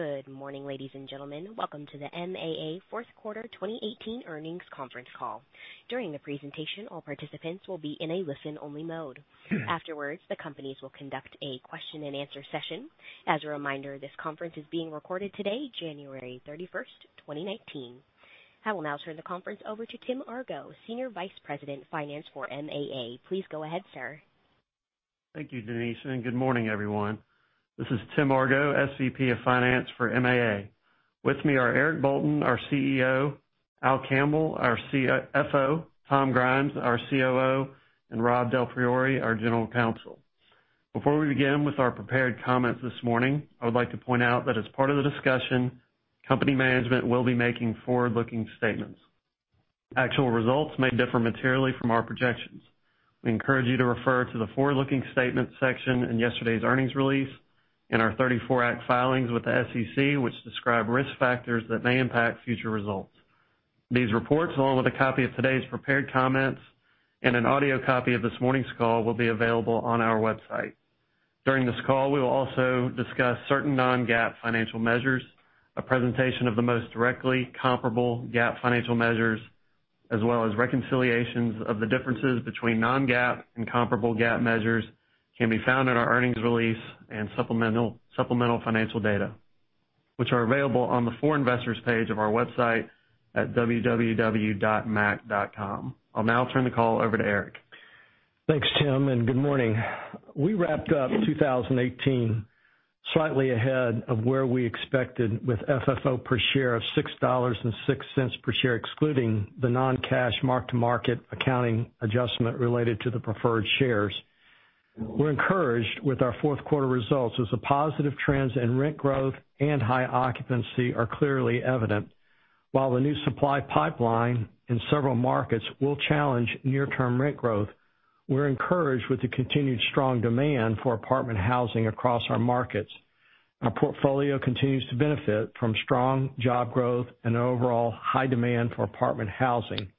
Good morning, ladies and gentlemen. Welcome to the MAA fourth quarter 2018 earnings conference call. During the presentation, all participants will be in a listen-only mode. Afterwards, the companies will conduct a question-and-answer session. As a reminder, this conference is being recorded today, January 31st, 2019. I will now turn the conference over to Tim Argo, Senior Vice President, Finance for MAA. Please go ahead, sir. Thank you, Denise. Good morning, everyone. This is Tim Argo, SVP of Finance for MAA. With me are Eric Bolton, our CEO, Al Campbell, our CFO, Tom Grimes, our COO, and Rob DelPriore, our General Counsel. Before we begin with our prepared comments this morning, I would like to point out that as part of the discussion, company management will be making forward-looking statements. Actual results may differ materially from our projections. We encourage you to refer to the forward-looking statements section in yesterday's earnings release and our 1934 Act filings with the SEC, which describe risk factors that may impact future results. These reports, along with a copy of today's prepared comments and an audio copy of this morning's call, will be available on our website. During this call, we will also discuss certain non-GAAP financial measures. A presentation of the most directly comparable GAAP financial measures, as well as reconciliations of the differences between non-GAAP and comparable GAAP measures, can be found in our earnings release and supplemental financial data, which are available on the For Investors page of our website at www.maac.com. I'll now turn the call over to Eric. Thanks, Tim. Good morning. We wrapped up 2018 slightly ahead of where we expected with FFO per share of $6.06 per share, excluding the non-cash mark-to-market accounting adjustment related to the preferred shares. We're encouraged with our fourth quarter results, as the positive trends in rent growth and high occupancy are clearly evident. While the new supply pipeline in several markets will challenge near-term rent growth, we're encouraged with the continued strong demand for apartment housing across our markets. Our portfolio continues to benefit from strong job growth and overall high demand for apartment housing.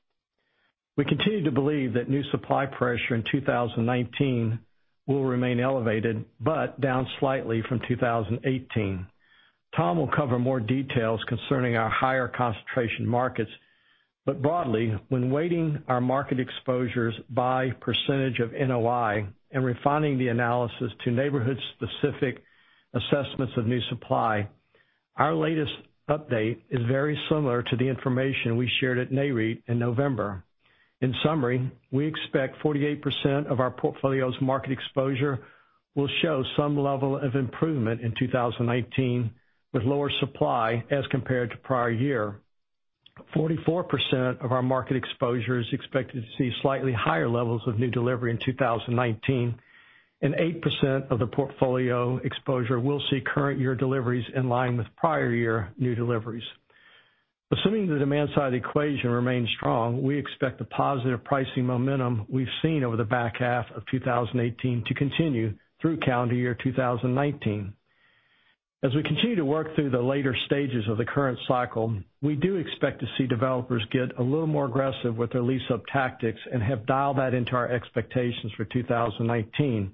We continue to believe that new supply pressure in 2019 will remain elevated but down slightly from 2018. Tom will cover more details concerning our higher concentration markets. When weighting our market exposures by percentage of NOI and refining the analysis to neighborhood-specific assessments of new supply, our latest update is very similar to the information we shared at NAREIT in November. In summary, we expect 48% of our portfolio's market exposure will show some level of improvement in 2019 with lower supply as compared to prior year. 44% of our market exposure is expected to see slightly higher levels of new delivery in 2019, and 8% of the portfolio exposure will see current year deliveries in line with prior year new deliveries. Assuming the demand side equation remains strong, we expect the positive pricing momentum we've seen over the back half of 2018 to continue through calendar year 2019. As we continue to work through the later stages of the current cycle, we do expect to see developers get a little more aggressive with their lease-up tactics and have dialed that into our expectations for 2019.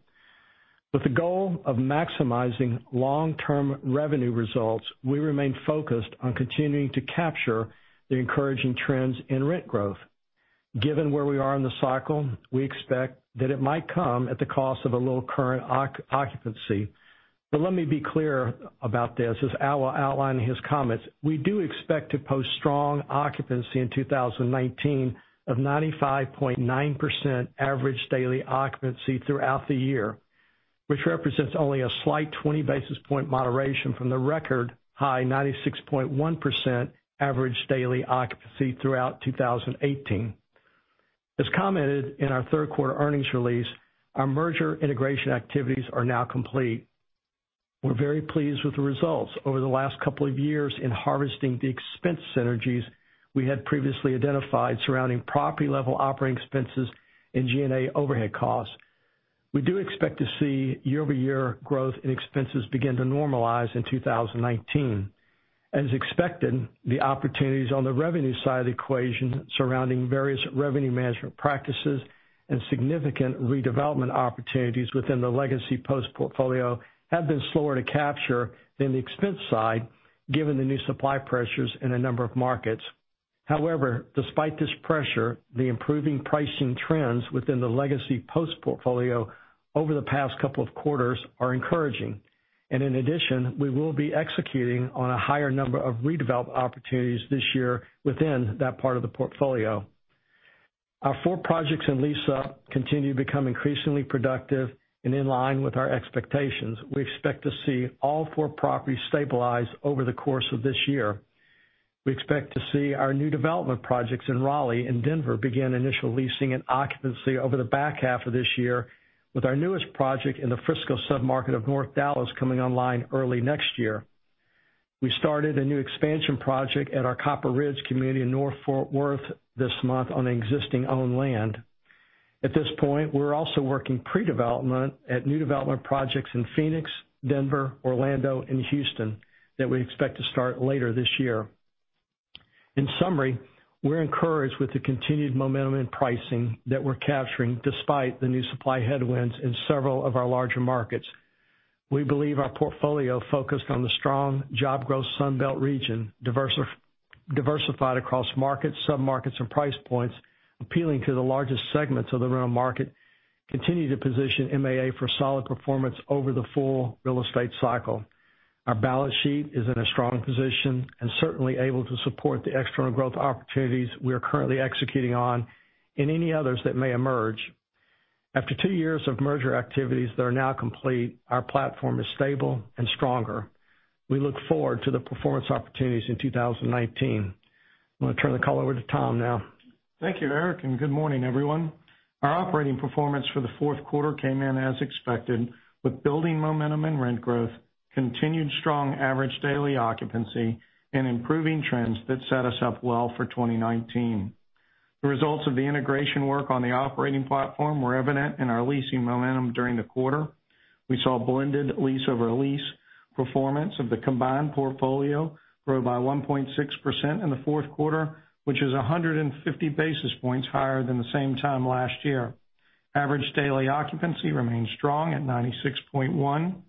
With the goal of maximizing long-term revenue results, we remain focused on continuing to capture the encouraging trends in rent growth. Given where we are in the cycle, we expect that it might come at the cost of a little current occupancy. Let me be clear about this, as Al will outline in his comments. We do expect to post strong occupancy in 2019 of 95.9% average daily occupancy throughout the year, which represents only a slight 20-basis point moderation from the record high 96.1% average daily occupancy throughout 2018. As commented in our third quarter earnings release, our merger integration activities are now complete. We're very pleased with the results over the last couple of years in harvesting the expense synergies we had previously identified surrounding property-level operating expenses and G&A overhead costs. We do expect to see year-over-year growth in expenses begin to normalize in 2019. As expected, the opportunities on the revenue side of the equation surrounding various revenue management practices and significant redevelopment opportunities within the legacy Post portfolio have been slower to capture than the expense side, given the new supply pressures in a number of markets. However, despite this pressure, the improving pricing trends within the legacy Post portfolio over the past couple of quarters are encouraging. In addition, we will be executing on a higher number of redevelop opportunities this year within that part of the portfolio. Our four projects in lease-up continue to become increasingly productive and in line with our expectations. We expect to see all four properties stabilize over the course of this year. We expect to see our new development projects in Raleigh and Denver begin initial leasing and occupancy over the back half of this year, with our newest project in the Frisco sub-market of North Dallas coming online early next year. We started a new expansion project at our Copper Ridge community in North Fort Worth this month on existing owned land. At this point, we're also working pre-development at new development projects in Phoenix, Denver, Orlando, and Houston that we expect to start later this year. In summary, we're encouraged with the continued momentum in pricing that we're capturing despite the new supply headwinds in several of our larger markets. We believe our portfolio focused on the strong job growth Sun Belt region, diversified across markets, sub-markets, and price points, appealing to the largest segments of the rental market, continue to position MAA for solid performance over the full real estate cycle. Our balance sheet is in a strong position, and certainly able to support the external growth opportunities we are currently executing on and any others that may emerge. After two years of merger activities that are now complete, our platform is stable and stronger. We look forward to the performance opportunities in 2019. I'm going to turn the call over to Tom now. Thank you, Eric, and good morning, everyone. Our operating performance for the fourth quarter came in as expected, with building momentum and rent growth, continued strong average daily occupancy, and improving trends that set us up well for 2019. The results of the integration work on the operating platform were evident in our leasing momentum during the quarter. We saw blended lease-over-lease performance of the combined portfolio grow by 1.6% in the fourth quarter, which is 150 basis points higher than the same time last year. Average daily occupancy remains strong at 96.1%.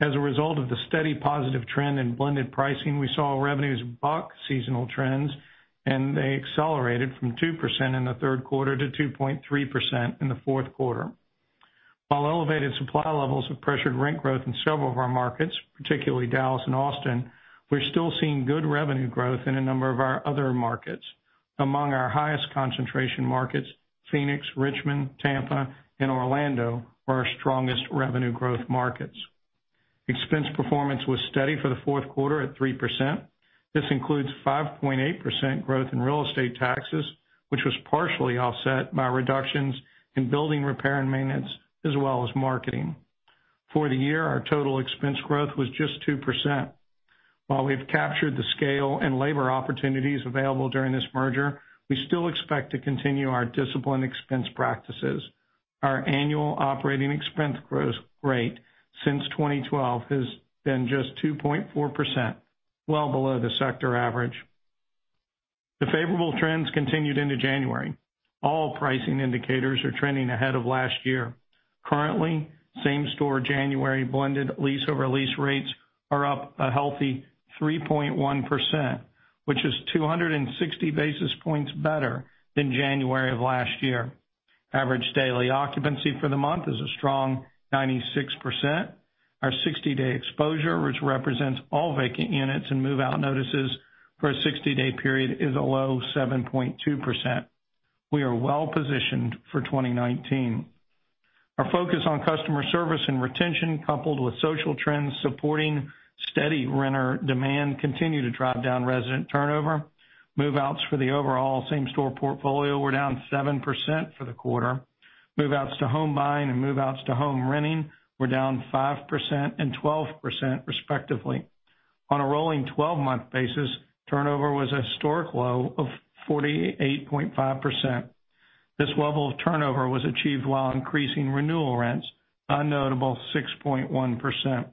As a result of the steady positive trend in blended pricing, they accelerated from 2% in the third quarter to 2.3% in the fourth quarter. While elevated supply levels have pressured rent growth in several of our markets, particularly Dallas and Austin, we're still seeing good revenue growth in a number of our other markets. Among our highest concentration markets, Phoenix, Richmond, Tampa, and Orlando were our strongest revenue growth markets. Expense performance was steady for the fourth quarter at 3%. This includes 5.8% growth in real estate taxes, which was partially offset by reductions in building repair and maintenance, as well as marketing. For the year, our total expense growth was just 2%. While we've captured the scale and labor opportunities available during this merger, we still expect to continue our disciplined expense practices. Our annual operating expense growth rate since 2012 has been just 2.4%, well below the sector average. The favorable trends continued into January. All pricing indicators are trending ahead of last year. Currently, same-store January blended lease-over-lease rates are up a healthy 3.1%, which is 260 basis points better than January of last year. Average daily occupancy for the month is a strong 96%. Our 60-day exposure, which represents all vacant units and move-out notices for a 60-day period, is a low 7.2%. We are well-positioned for 2019. Our focus on customer service and retention, coupled with social trends supporting steady renter demand, continue to drive down resident turnover. Move-outs for the overall same-store portfolio were down 7% for the quarter. Move-outs to home buying and move-outs to home renting were down 5% and 12% respectively. On a rolling 12-month basis, turnover was a historic low of 48.5%. This level of turnover was achieved while increasing renewal rents a notable 6.1%.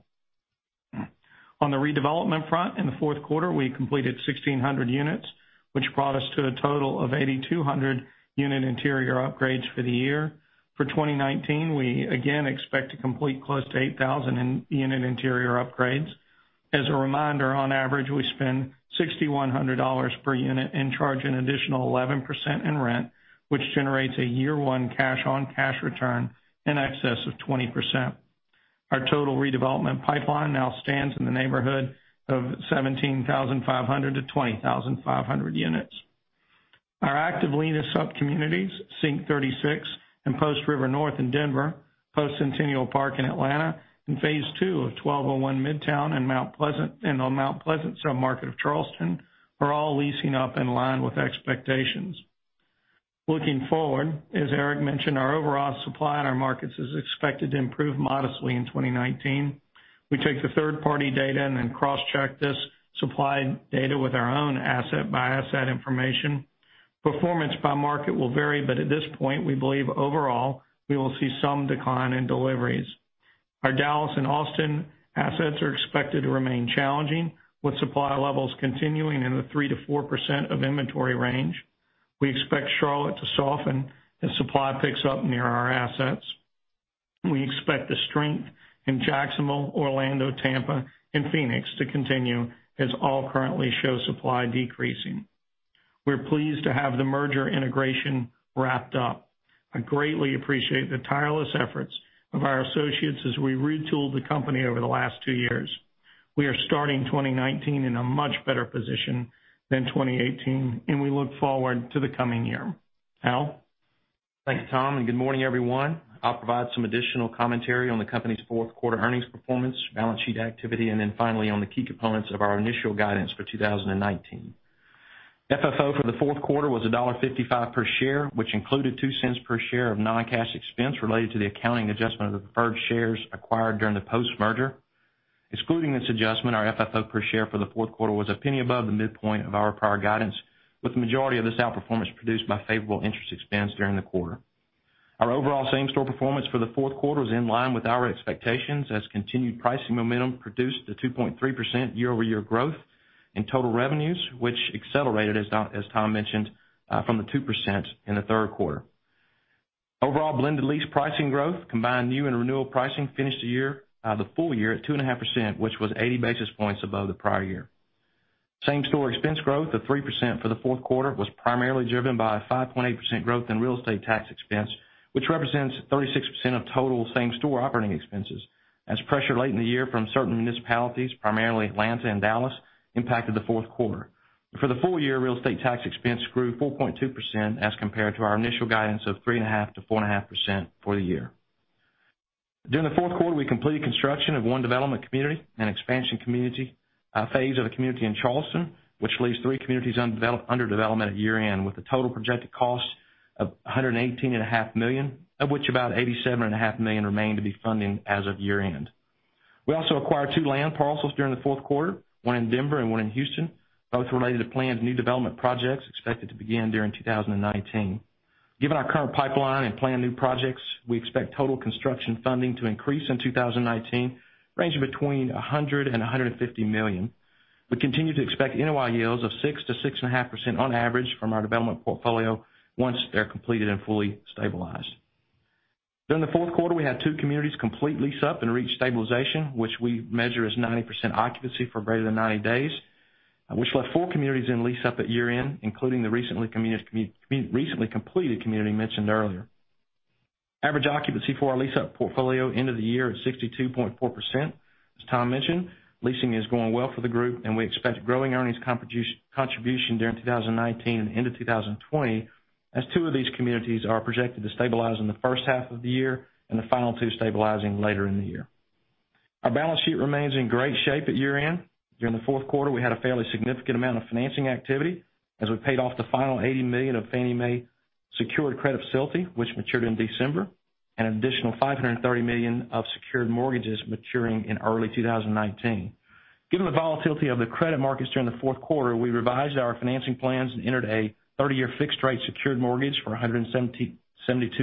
On the redevelopment front, in the fourth quarter, we completed 1,600 units, which brought us to a total of 8,200 unit interior upgrades for the year. For 2019, we again expect to complete close to 8,000 in-unit interior upgrades. As a reminder, on average, we spend $6,100 per unit and charge an additional 11% in rent, which generates a year one cash-on-cash return in excess of 20%. Our total redevelopment pipeline now stands in the neighborhood of 17,500 to 20,500 units. Our actively leased sub-communities, Sync36 and Post River North in Denver, Post Centennial Park in Atlanta, and phase two of 1201 Midtown in the Mount Pleasant submarket of Charleston, are all leasing up in line with expectations. Looking forward, as Eric mentioned, our overall supply in our markets is expected to improve modestly in 2019. We take the third-party data and cross-check this supply data with our own asset-by-asset information. Performance by market will vary, but at this point, we believe overall, we will see some decline in deliveries. Our Dallas and Austin assets are expected to remain challenging, with supply levels continuing in the 3%-4% of inventory range. We expect Charlotte to soften as supply picks up near our assets. We expect the strength in Jacksonville, Orlando, Tampa, and Phoenix to continue, as all currently show supply decreasing. We're pleased to have the merger integration wrapped up. I greatly appreciate the tireless efforts of our associates as we retooled the company over the last two years. We are starting 2019 in a much better position than 2018, and we look forward to the coming year. Al? Thank you, Tom, and good morning, everyone. I'll provide some additional commentary on the company's fourth quarter earnings performance, balance sheet activity, and then finally on the key components of our initial guidance for 2019. FFO for the fourth quarter was $1.55 per share, which included $0.02 per share of non-cash expense related to the accounting adjustment of the preferred shares acquired during the Post merger. Excluding this adjustment, our FFO per share for the fourth quarter was $0.01 above the midpoint of our prior guidance, with the majority of this outperformance produced by favorable interest expense during the quarter. Our overall same-store performance for the fourth quarter was in line with our expectations as continued pricing momentum produced the 2.3% year-over-year growth in total revenues, which accelerated, as Tom mentioned, from the 2% in the third quarter. Overall blended lease pricing growth combined new and renewal pricing finished the full year at 2.5%, which was 80 basis points above the prior year. Same-store expense growth of 3% for the fourth quarter was primarily driven by a 5.8% growth in real estate tax expense, which represents 36% of total same-store operating expenses, as pressure late in the year from certain municipalities, primarily Atlanta and Dallas, impacted the fourth quarter. For the full year, real estate tax expense grew 4.2% as compared to our initial guidance of 3.5%-4.5% for the year. During the fourth quarter, we completed construction of one development community and expansion community, a phase of a community in Charleston, which leaves three communities under development at year-end, with a total projected cost of $118.5 million, of which about $87.5 million remained to be funded as of year-end. We also acquired two land parcels during the fourth quarter, one in Denver and one in Houston, both related to planned new development projects expected to begin during 2019. Given our current pipeline and planned new projects, we expect total construction funding to increase in 2019, ranging between $100 million and $150 million. We continue to expect NOI yields of 6%-6.5% on average from our development portfolio once they're completed and fully stabilized. During the fourth quarter, we had two communities complete lease-up and reach stabilization, which we measure as 90% occupancy for greater than 90 days, which left four communities in lease-up at year-end, including the recently completed community mentioned earlier. Average occupancy for our lease-up portfolio end of the year at 62.4%. As Tom mentioned, leasing is going well for the group, we expect growing earnings contribution during 2019 and into 2020, as two of these communities are projected to stabilize in the first half of the year and the final two stabilizing later in the year. Our balance sheet remains in great shape at year-end. During the fourth quarter, we had a fairly significant amount of financing activity as we paid off the final $80 million of Fannie Mae secured credit facility, which matured in December, and an additional $530 million of secured mortgages maturing in early 2019. Given the volatility of the credit markets during the fourth quarter, we revised our financing plans and entered a 30-year fixed rate secured mortgage for $172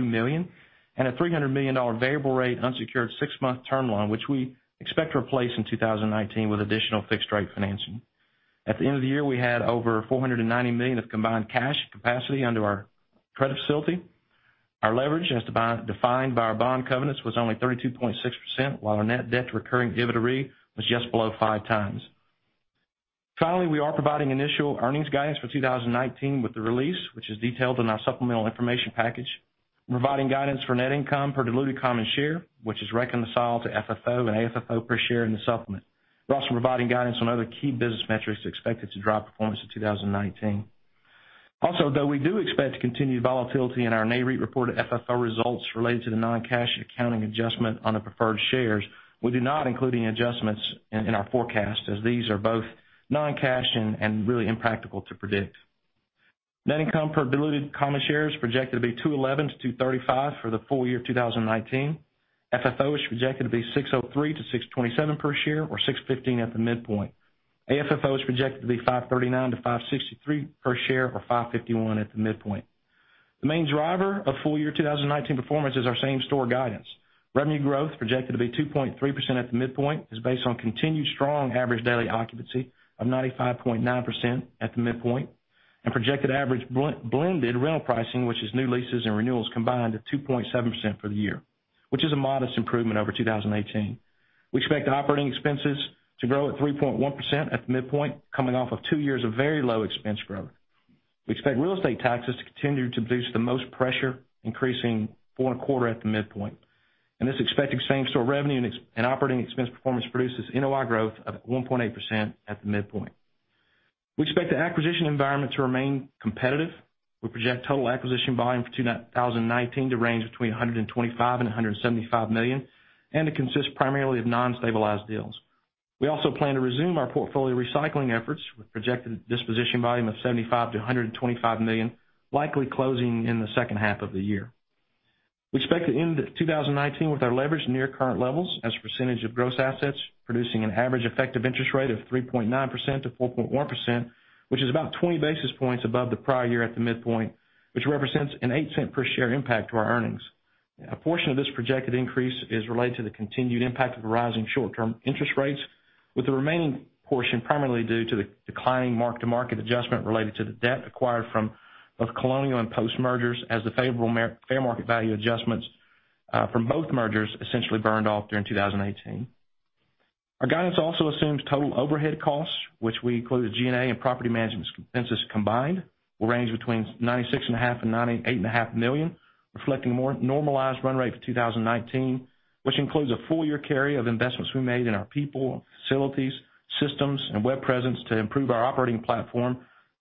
million and a $300 million variable rate unsecured six-month term loan, which we expect to replace in 2019 with additional fixed rate financing. At the end of the year, we had over $490 million of combined cash capacity under our credit facility. Our leverage, as defined by our bond covenants, was only 32.6%, while our net debt to recurring EBITDAre was just below five times. Finally, we are providing initial earnings guidance for 2019 with the release, which is detailed in our supplemental information package. We're providing guidance for net income per diluted common share, which is reconciled to FFO and AFFO per share in the supplement. We're also providing guidance on other key business metrics expected to drive performance in 2019. Though we do expect continued volatility in our NAREIT report of FFO results related to the non-cash accounting adjustment on the preferred shares, we do not include any adjustments in our forecast as these are both non-cash and really impractical to predict. Net income per diluted common share is projected to be $2.11-$2.35 for the full year 2019. FFO is projected to be $6.03-$6.27 per share, or $6.15 at the midpoint. AFFO is projected to be $5.39-$5.63 per share, or $5.51 at the midpoint. The main driver of full-year 2019 performance is our same-store guidance. Revenue growth, projected to be 2.3% at the midpoint, is based on continued strong average daily occupancy of 95.9% at the midpoint and projected average blended rental pricing, which is new leases and renewals combined at 2.7% for the year, which is a modest improvement over 2018. We expect operating expenses to grow at 3.1% at the midpoint, coming off of two years of very low expense growth. This expected same-store revenue and operating expense performance produces NOI growth of 1.8% at the midpoint. We expect real estate taxes to continue to produce the most pressure, increasing four and a quarter at the midpoint. We expect the acquisition environment to remain competitive. We project total acquisition volume for 2019 to range between $125 million and $175 million, and it consists primarily of non-stabilized deals. We also plan to resume our portfolio recycling efforts with projected disposition volume of $75 million-$125 million, likely closing in the second half of the year. We expect to end 2019 with our leverage near current levels as a percentage of gross assets, producing an average effective interest rate of 3.9%-4.1%, which is about 20 basis points above the prior year at the midpoint, which represents an $0.08 per share impact to our earnings. A portion of this projected increase is related to the continued impact of rising short-term interest rates, with the remaining portion primarily due to the declining mark-to-market adjustment related to the debt acquired from both Colonial and Post mergers as the favorable fair market value adjustments from both mergers essentially burned off during 2018. Our guidance also assumes total overhead costs, which we include G&A and property management expenses combined, will range between $96.5 million and $98.5 million, reflecting a normalized run rate for 2019, which includes a full-year carry of investments we made in our people, facilities, systems, and web presence to improve our operating platform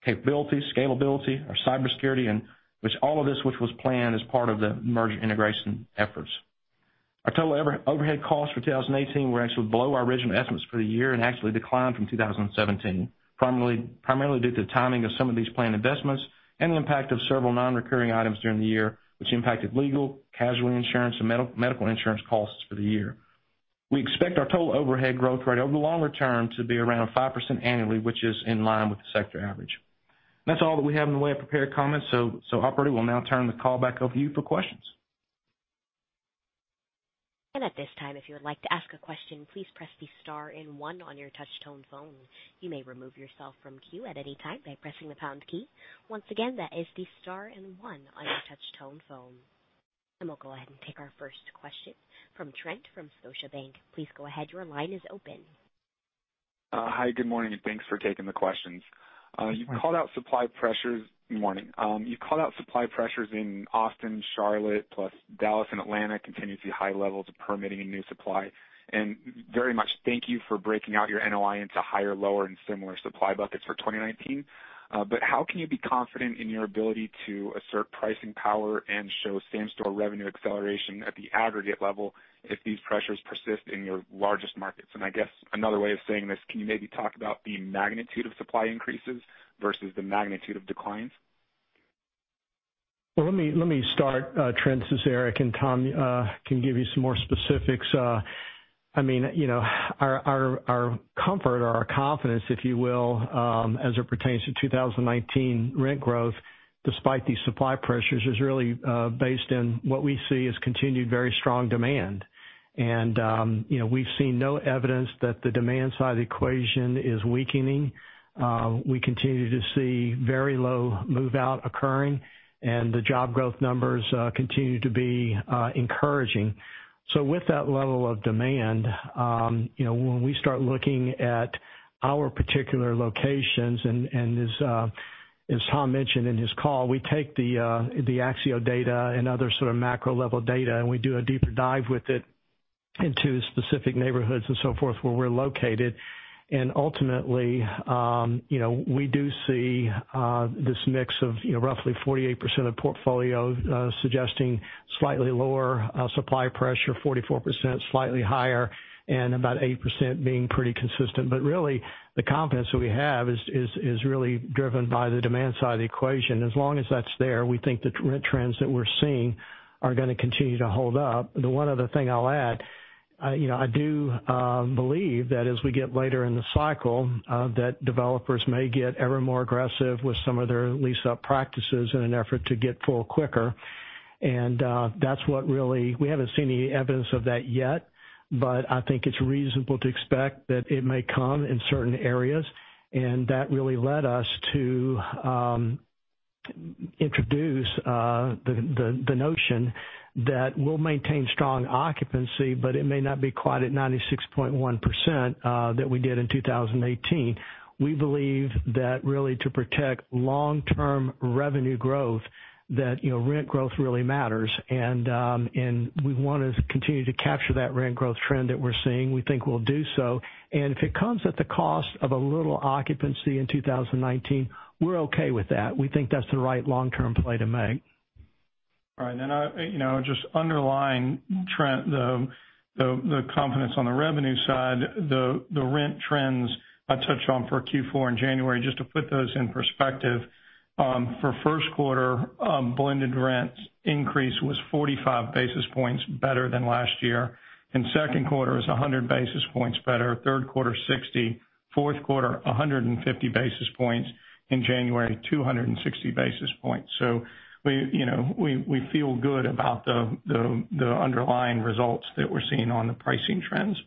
capability, scalability, our cybersecurity, and which all of this was planned as part of the merger integration efforts. Our total overhead costs for 2018 were actually below our original estimates for the year and actually declined from 2017, primarily due to the timing of some of these planned investments and the impact of several non-recurring items during the year, which impacted legal, casualty insurance, and medical insurance costs for the year. We expect our total overhead growth rate over the longer term to be around 5% annually, which is in line with the sector average. That's all that we have in the way of prepared comments. Operator, we'll now turn the call back over to you for questions. At this time, if you would like to ask a question, please press the star and one on your touch-tone phone. You may remove yourself from queue at any time by pressing the pound key. Once again, that is the star and one on your touch-tone phone. We'll go ahead and take our first question from Trent from Scotiabank. Please go ahead. Your line is open. Hi, good morning, and thanks for taking the questions. You called out supply pressures in Austin, Charlotte, plus Dallas and Atlanta continue to see high levels of permitting and new supply. Very much thank you for breaking out your NOI into higher, lower, and similar supply buckets for 2019. How can you be confident in your ability to assert pricing power and show same-store revenue acceleration at the aggregate level if these pressures persist in your largest markets? I guess another way of saying this, can you maybe talk about the magnitude of supply increases versus the magnitude of declines? Well, let me start, Trent. This is Eric, and Tom can give you some more specifics. Our comfort or our confidence, if you will, as it pertains to 2019 rent growth despite these supply pressures is really based on what we see as continued very strong demand. We've seen no evidence that the demand side of the equation is weakening. We continue to see very low move-out occurring, and the job growth numbers continue to be encouraging. With that level of demand, when we start looking at our particular locations, and as Tom mentioned in his call, we take the Axio data and other sort of macro-level data, and we do a deeper dive with it into specific neighborhoods and so forth where we're located. Ultimately, we do see this mix of roughly 48% of portfolio suggesting slightly lower supply pressure, 44% slightly higher, and about 8% being pretty consistent. Really, the confidence that we have is really driven by the demand side of the equation. As long as that's there, we think the rent trends that we're seeing are going to continue to hold up. The one other thing I'll add, I do believe that as we get later in the cycle, that developers may get ever more aggressive with some of their lease-up practices in an effort to get full quicker. We haven't seen any evidence of that yet, but I think it's reasonable to expect that it may come in certain areas. That really led us to introduce the notion that we'll maintain strong occupancy, but it may not be quite at 96.1% that we did in 2018. We believe that really to protect long-term revenue growth, that rent growth really matters. We want to continue to capture that rent growth trend that we're seeing. We think we'll do so. If it comes at the cost of a little occupancy in 2019, we're okay with that. We think that's the right long-term play to make. All right. Just underlying, Trent, the confidence on the revenue side, the rent trends I touched on for Q4 and January, just to put those in perspective. For first quarter, blended rents increase was 45 basis points better than last year. In second quarter, it was 100 basis points better. Third quarter, 60. Fourth quarter, 150 basis points. In January, 260 basis points. We feel good about the underlying results that we're seeing on the pricing trends.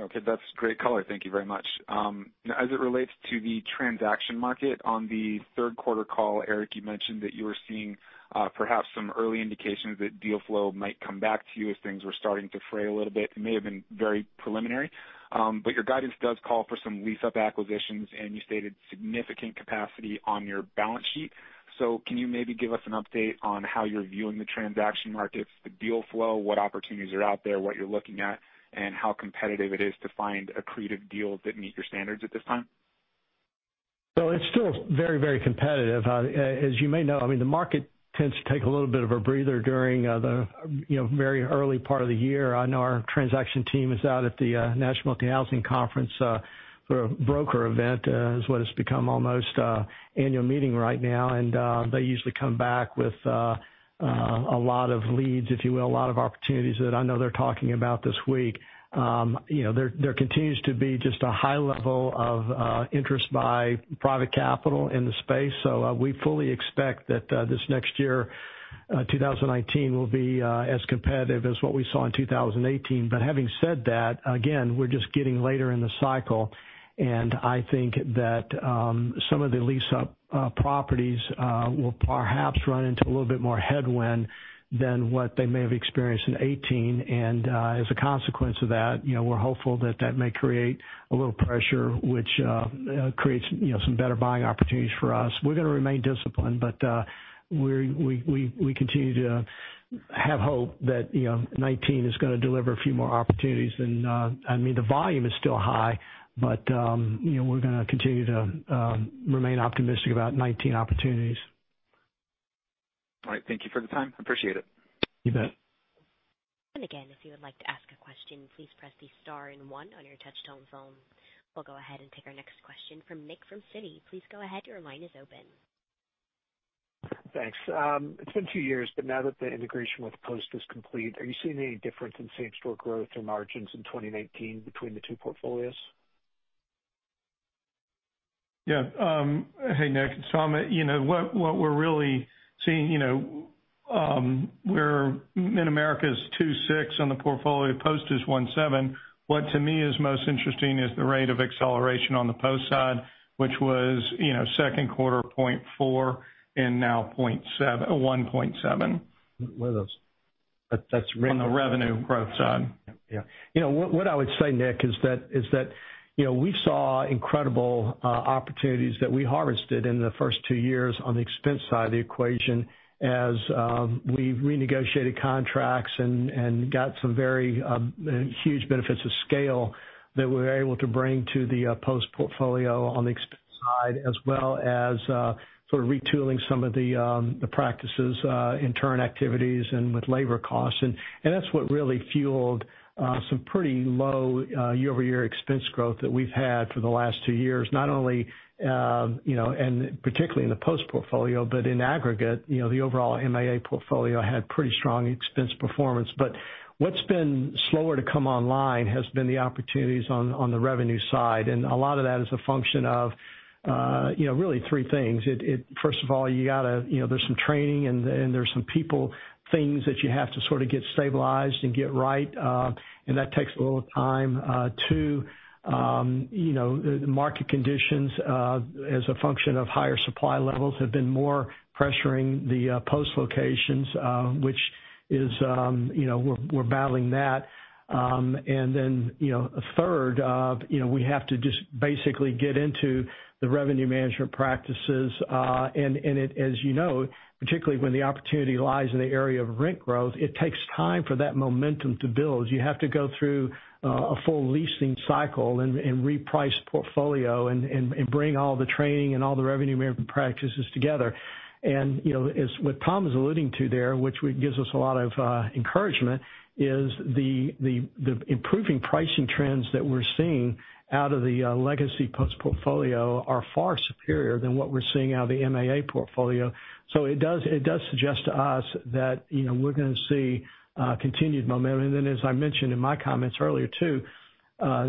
Okay. That's great color. Thank you very much. As it relates to the transaction market, on the third quarter call, Eric, you mentioned that you were seeing perhaps some early indications that deal flow might come back to you as things were starting to fray a little bit. It may have been very preliminary. Your guidance does call for some lease-up acquisitions, and you stated significant capacity on your balance sheet. Can you maybe give us an update on how you're viewing the transaction markets, the deal flow, what opportunities are out there, what you're looking at, and how competitive it is to find accretive deals that meet your standards at this time? Well, it's still very competitive. As you may know, the market tends to take a little bit of a breather during the very early part of the year. I know our transaction team is out at the National Multifamily Housing Council for a broker event, is what it's become almost annual meeting right now. They usually come back with a lot of leads, if you will, a lot of opportunities that I know they're talking about this week. There continues to be just a high level of interest by private capital in the space. We fully expect that this next year, 2019, will be as competitive as what we saw in 2018. Having said that, again, we're just getting later in the cycle. I think that some of the lease-up properties will perhaps run into a little bit more headwind than what they may have experienced in 2018. As a consequence of that, we're hopeful that that may create a little pressure, which creates some better buying opportunities for us. We're going to remain disciplined. We continue to have hope that 2019 is going to deliver a few more opportunities than. The volume is still high. We're going to continue to remain optimistic about 2019 opportunities. All right. Thank you for the time. Appreciate it. You bet. Again, if you would like to ask a question, please press the star and one on your touch-tone phone. We'll go ahead and take our next question from Nick from Citi. Please go ahead. Your line is open. Thanks. It's been two years, now that the integration with Post is complete, are you seeing any difference in same-store growth or margins in 2019 between the two portfolios? Yeah. Hey, Nick, it's Tom. What we're really seeing, Mid-America is 2.6 on the portfolio, Post is 1.7. What to me is most interesting is the rate of acceleration on the Post side, which was second quarter 0.4 and now 1.7. What are those? On the revenue growth side. Yeah. What I would say, Nick, is that we saw incredible opportunities that we harvested in the first two years on the expense side of the equation as we renegotiated contracts and got some very huge benefits of scale that we were able to bring to the Post portfolio on the expense side, as well as sort of retooling some of the practices, intern activities, and with labor costs. That's what really fueled some pretty low year-over-year expense growth that we've had for the last two years, not only, and particularly in the Post portfolio, but in aggregate, the overall MAA portfolio had pretty strong expense performance. What's been slower to come online has been the opportunities on the revenue side. A lot of that is a function of really three things. First of all, there's some training and there's some people things that you have to sort of get stabilized and get right, and that takes a little time. Two, the market conditions, as a function of higher supply levels, have been more pressuring the Post locations, which we're battling that. Third, we have to just basically get into the revenue management practices. As you know, particularly when the opportunity lies in the area of rent growth, it takes time for that momentum to build. You have to go through a full leasing cycle and reprice portfolio and bring all the training and all the revenue management practices together. As what Tom is alluding to there, which gives us a lot of encouragement, is the improving pricing trends that we're seeing out of the legacy Post portfolio are far superior than what we're seeing out of the MAA portfolio. It does suggest to us that we're going to see continued momentum. As I mentioned in my comments earlier, too,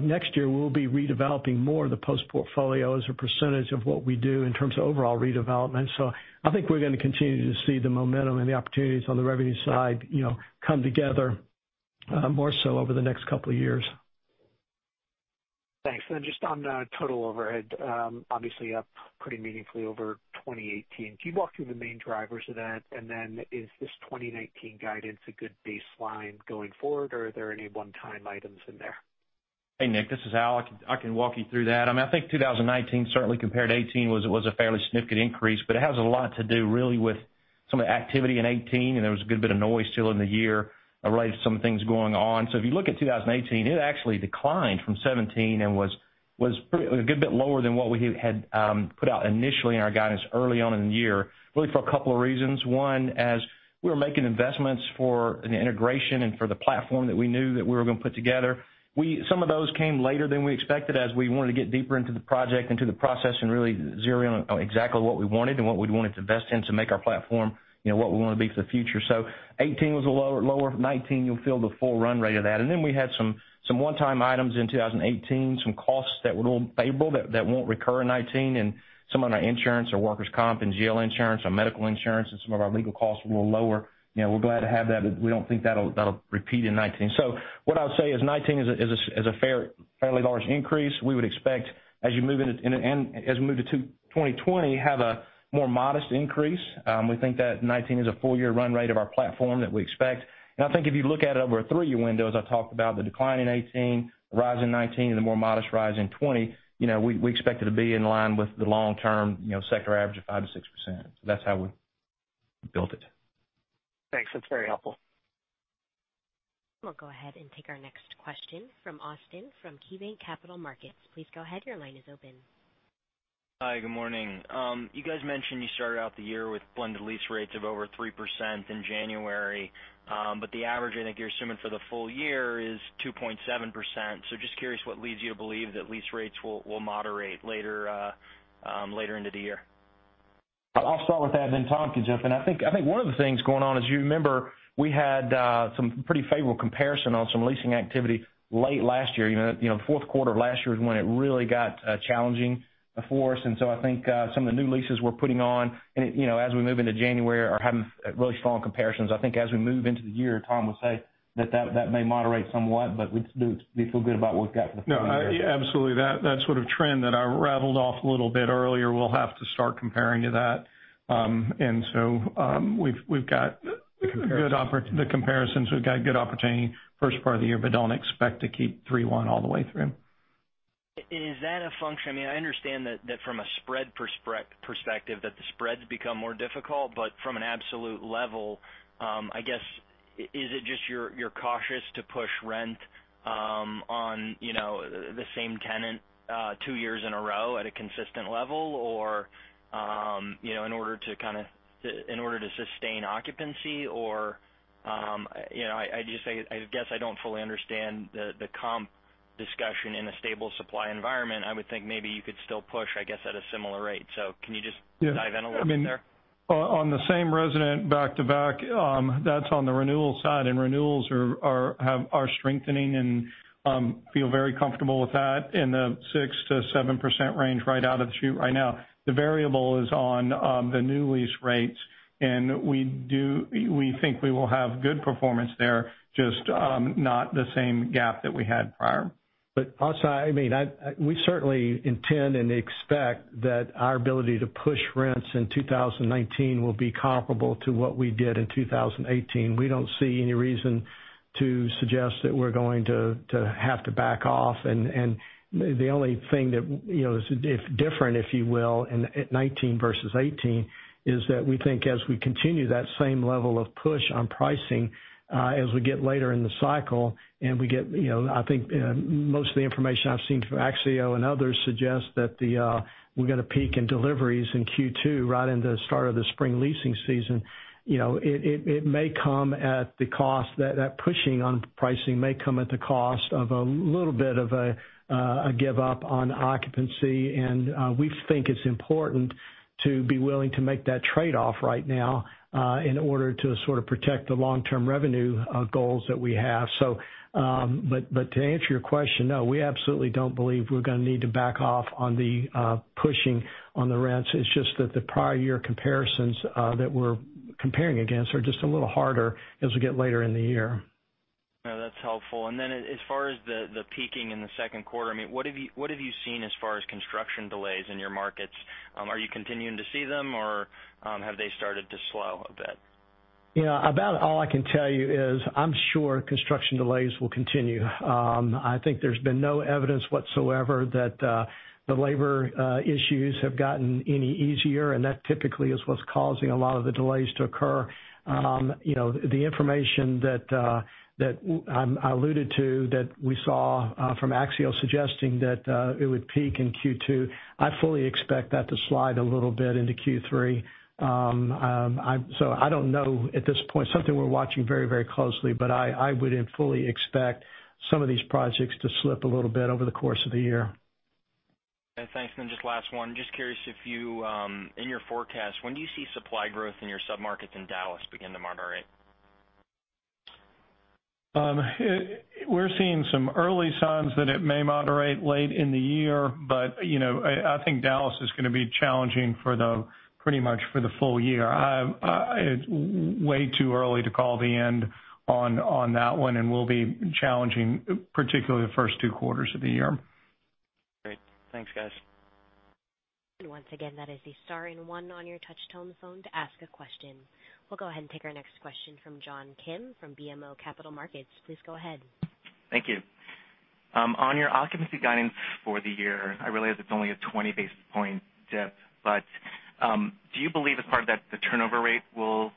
next year, we'll be redeveloping more of the Post portfolio as a percentage of what we do in terms of overall redevelopment. I think we're going to continue to see the momentum and the opportunities on the revenue side come together more so over the next couple of years. Thanks. Just on total overhead, obviously up pretty meaningfully over 2018. Can you walk through the main drivers of that? Is this 2019 guidance a good baseline going forward, or are there any one-time items in there? Hey, Nick, this is Al. I can walk you through that. I think 2019, certainly compared to 2018, was a fairly significant increase, but it has a lot to do really with some of the activity in 2018, and there was a good bit of noise still in the year related to some things going on. If you look at 2018, it actually declined from 2017 and was a good bit lower than what we had put out initially in our guidance early on in the year, really for a couple of reasons. One, as we were making investments for an integration and for the platform that we knew that we were going to put together, some of those came later than we expected as we wanted to get deeper into the project, into the process and really zero in on exactly what we wanted and what we'd want to invest in to make our platform what we want to be for the future. 2018 was lower. 2019, you'll feel the full run rate of that. We had some one-time items in 2018, some costs that were favorable that won't recur in 2019, and some of our insurance, our workers' comp and GL insurance, our medical insurance, and some of our legal costs were a little lower. We're glad to have that. We don't think that'll repeat in 2019. What I'll say is 2019 is a fairly large increase. We would expect as we move to 2020, have a more modest increase. We think that 2019 is a full-year run rate of our platform that we expect. I think if you look at it over a three-year window, as I talked about, the decline in 2018, the rise in 2019, and the more modest rise in 2020, we expect it to be in line with the long-term sector average of 5%-6%. That's how we built it. Thanks. That's very helpful. We'll go ahead and take our next question from Austin from KeyBanc Capital Markets. Please go ahead, your line is open. Hi, good morning. You guys mentioned you started out the year with blended lease rates of over 3% in January. The average, I think you're assuming for the full year is 2.7%. Just curious what leads you to believe that lease rates will moderate later into the year. I'll start with that, then Tom can jump in. I think one of the things going on, as you remember, we had some pretty favorable comparison on some leasing activity late last year. The fourth quarter of last year is when it really got challenging for us. I think some of the new leases we're putting on as we move into January are having really strong comparisons. I think as we move into the year, Tom will say that that may moderate somewhat, we feel good about what we've got for the full year. No, absolutely. That sort of trend that I rattled off a little bit earlier, we'll have to start comparing to that. The comparisons The comparisons. We've got a good opportunity first part of the year. Don't expect to keep 3.1% all the way through. Is that a function? I understand that from a spread perspective, that the spreads become more difficult. From an absolute level, I guess, is it just you're cautious to push rent on the same tenant two years in a row at a consistent level in order to sustain occupancy? I guess I don't fully understand the comp discussion in a stable supply environment, I would think maybe you could still push, I guess, at a similar rate. Can you just dive in a little bit there? On the same resident back-to-back, that's on the renewal side. Renewals are strengthening and feel very comfortable with that in the 6%-7% range right out of the chute right now. The variable is on the new lease rates. We think we will have good performance there, just not the same gap that we had prior. Also, we certainly intend and expect that our ability to push rents in 2019 will be comparable to what we did in 2018. We don't see any reason to suggest that we're going to have to back off. The only thing that is different, if you will, in 2019 versus 2018, is that we think as we continue that same level of push on pricing as we get later in the cycle. I think most of the information I've seen from Axiometrics and others suggest that we'll get a peak in deliveries in Q2, right in the start of the spring leasing season. That pushing on pricing may come at the cost of a little bit of a give-up on occupancy. We think it's important to be willing to make that trade-off right now in order to sort of protect the long-term revenue goals that we have. To answer your question, no, we absolutely don't believe we're going to need to back off on the pushing on the rents. It's just that the prior year comparisons that we're comparing against are just a little harder as we get later in the year. No, that's helpful. Then as far as the peaking in the second quarter, what have you seen as far as construction delays in your markets? Are you continuing to see them, or have they started to slow a bit? About all I can tell you is I'm sure construction delays will continue. I think there's been no evidence whatsoever that the labor issues have gotten any easier. That typically is what's causing a lot of the delays to occur. The information that I alluded to that we saw from Axiometrics suggesting that it would peak in Q2, I fully expect that to slide a little bit into Q3. I don't know at this point. Something we're watching very closely. I would fully expect some of these projects to slip a little bit over the course of the year. Thanks. Just last one. Just curious if you, in your forecast, when do you see supply growth in your sub-markets in Dallas begin to moderate? We're seeing some early signs that it may moderate late in the year. I think Dallas is going to be challenging pretty much for the full year. It's way too early to call the end on that one, and will be challenging, particularly the first two quarters of the year. Great. Thanks, guys. Once again, that is the star and one on your touch tone phone to ask a question. We'll go ahead and take our next question from John Kim from BMO Capital Markets. Please go ahead. Thank you. On your occupancy guidance for the year, I realize it is only a 20 basis point dip, do you believe as part of that, the turnover rate will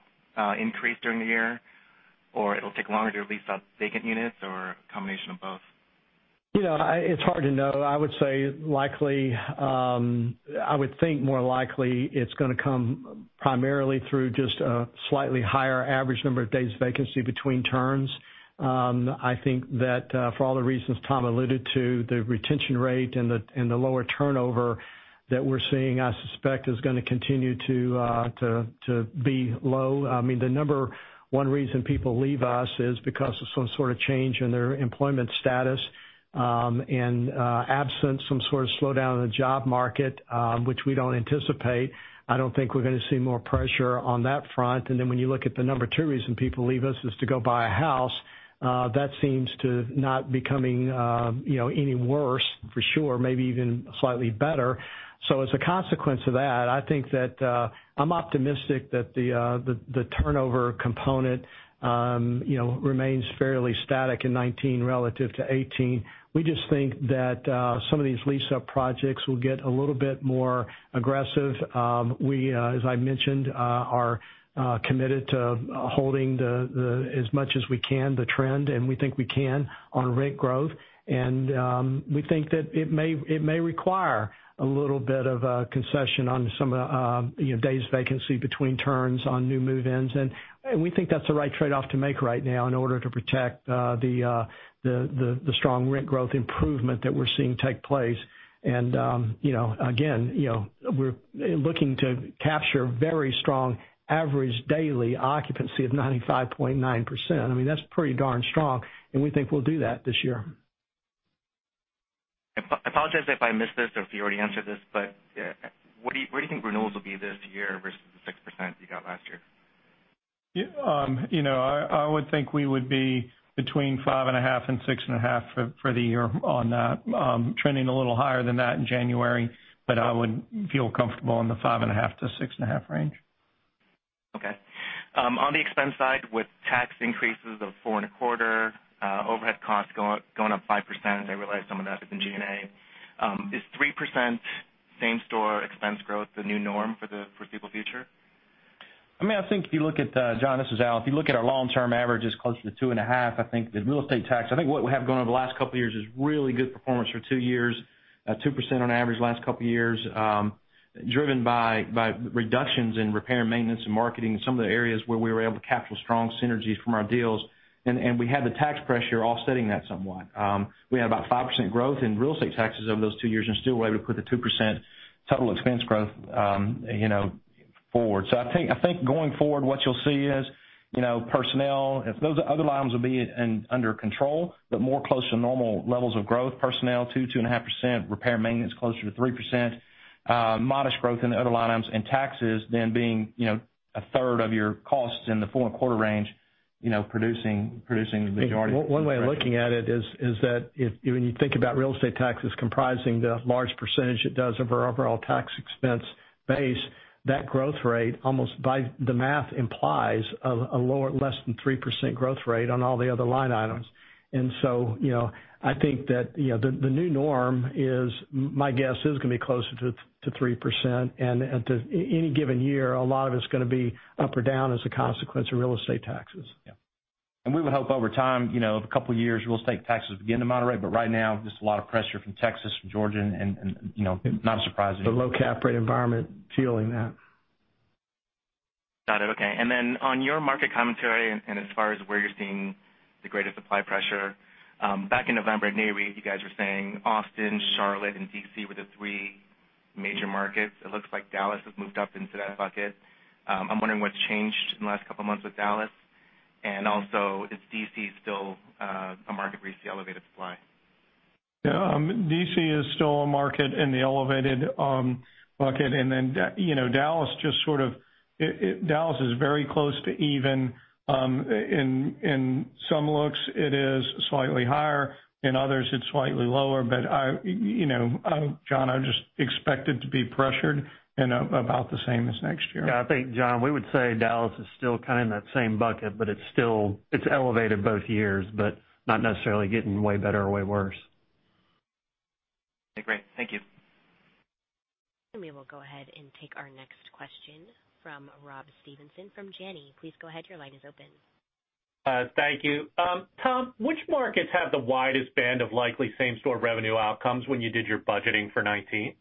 increase during the year, or it will take longer to lease out vacant units, or a combination of both? It is hard to know. I would think more likely it is going to come primarily through just a slightly higher average number of days vacancy between turns. I think that for all the reasons Tom alluded to, the retention rate and the lower turnover that we are seeing, I suspect, is going to continue to be low. The number one reason people leave us is because of some sort of change in their employment status, absent some sort of slowdown in the job market, which we don't anticipate, I don't think we are going to see more pressure on that front. When you look at the number two reason people leave us is to go buy a house. That seems to not becoming any worse, for sure, maybe even slightly better. As a consequence of that, I think that I am optimistic that the turnover component remains fairly static in 2019 relative to 2018. We just think that some of these lease-up projects will get a little bit more aggressive. We, as I mentioned, are committed to holding as much as we can, the trend, and we think we can on rent growth. We think that it may require a little bit of a concession on some days vacancy between turns on new move-ins, and we think that is the right trade-off to make right now in order to protect the strong rent growth improvement that we are seeing take place. Again, we are looking to capture very strong average daily occupancy of 95.9%. That is pretty darn strong, and we think we will do that this year. I apologize if I missed this or if you already answered this, where do you think renewals will be this year versus the 6% you got last year? I would think we would be between 5.5% and 6.5% for the year on that. Trending a little higher than that in January, but I would feel comfortable in the 5.5%-6.5% range. Okay. On the expense side, with tax increases of 4.25%, overhead costs going up 5%, I realize some of that is in G&A. Is 3% same store expense growth the new norm for the foreseeable future? I think if you look at, John, this is Al, if you look at our long-term averages closer to 2.5%, I think the real estate tax, I think what we have going over the last couple of years is really good performance for two years, 2% on average last couple of years, driven by reductions in repair and maintenance and marketing in some of the areas where we were able to capture strong synergies from our deals. We had the tax pressure offsetting that somewhat. We had about 5% growth in real estate taxes over those two years and still were able to put the 2% total expense growth forward. I think going forward, what you'll see is, personnel, those other lines will be under control, but more close to normal levels of growth, personnel 2%-2.5%, repair and maintenance closer to 3%, modest growth in the other line items, and taxes then being a third of your costs in the 4.25% range, producing the majority. One way of looking at it is that when you think about real estate taxes comprising the large percentage it does of our overall tax expense base, that growth rate almost by the math implies a lower, less than 3% growth rate on all the other line items. So, I think that the new norm is, my guess, is gonna be closer to 3%. At any given year, a lot of it's gonna be up or down as a consequence of real estate taxes. Yeah. We would hope over time, a couple of years, real estate taxes begin to moderate, but right now, just a lot of pressure from Texas, from Georgia, and not surprising. The low cap rate environment fueling that. Got it. Okay. On your market commentary, and as far as where you're seeing the greatest supply pressure, back in November at NAREIT, you guys were saying Austin, Charlotte, and D.C. were the three major markets. It looks like Dallas has moved up into that bucket. I'm wondering what's changed in the last couple of months with Dallas, and also is D.C. still a market where you see elevated supply? Yeah. D.C. is still a market in the elevated bucket. Dallas is very close to even. In some looks, it is slightly higher, in others, it's slightly lower. John, I just expect it to be pressured and about the same as next year. Yeah. I think, John, we would say Dallas is still kind of in that same bucket, it's elevated both years, not necessarily getting way better or way worse. Okay, great. Thank you. We will go ahead and take our next question from Rob Stevenson from Janney. Please go ahead, your line is open. Thank you. Tom, which markets have the widest band of likely same-store revenue outcomes when you did your budgeting for 2019?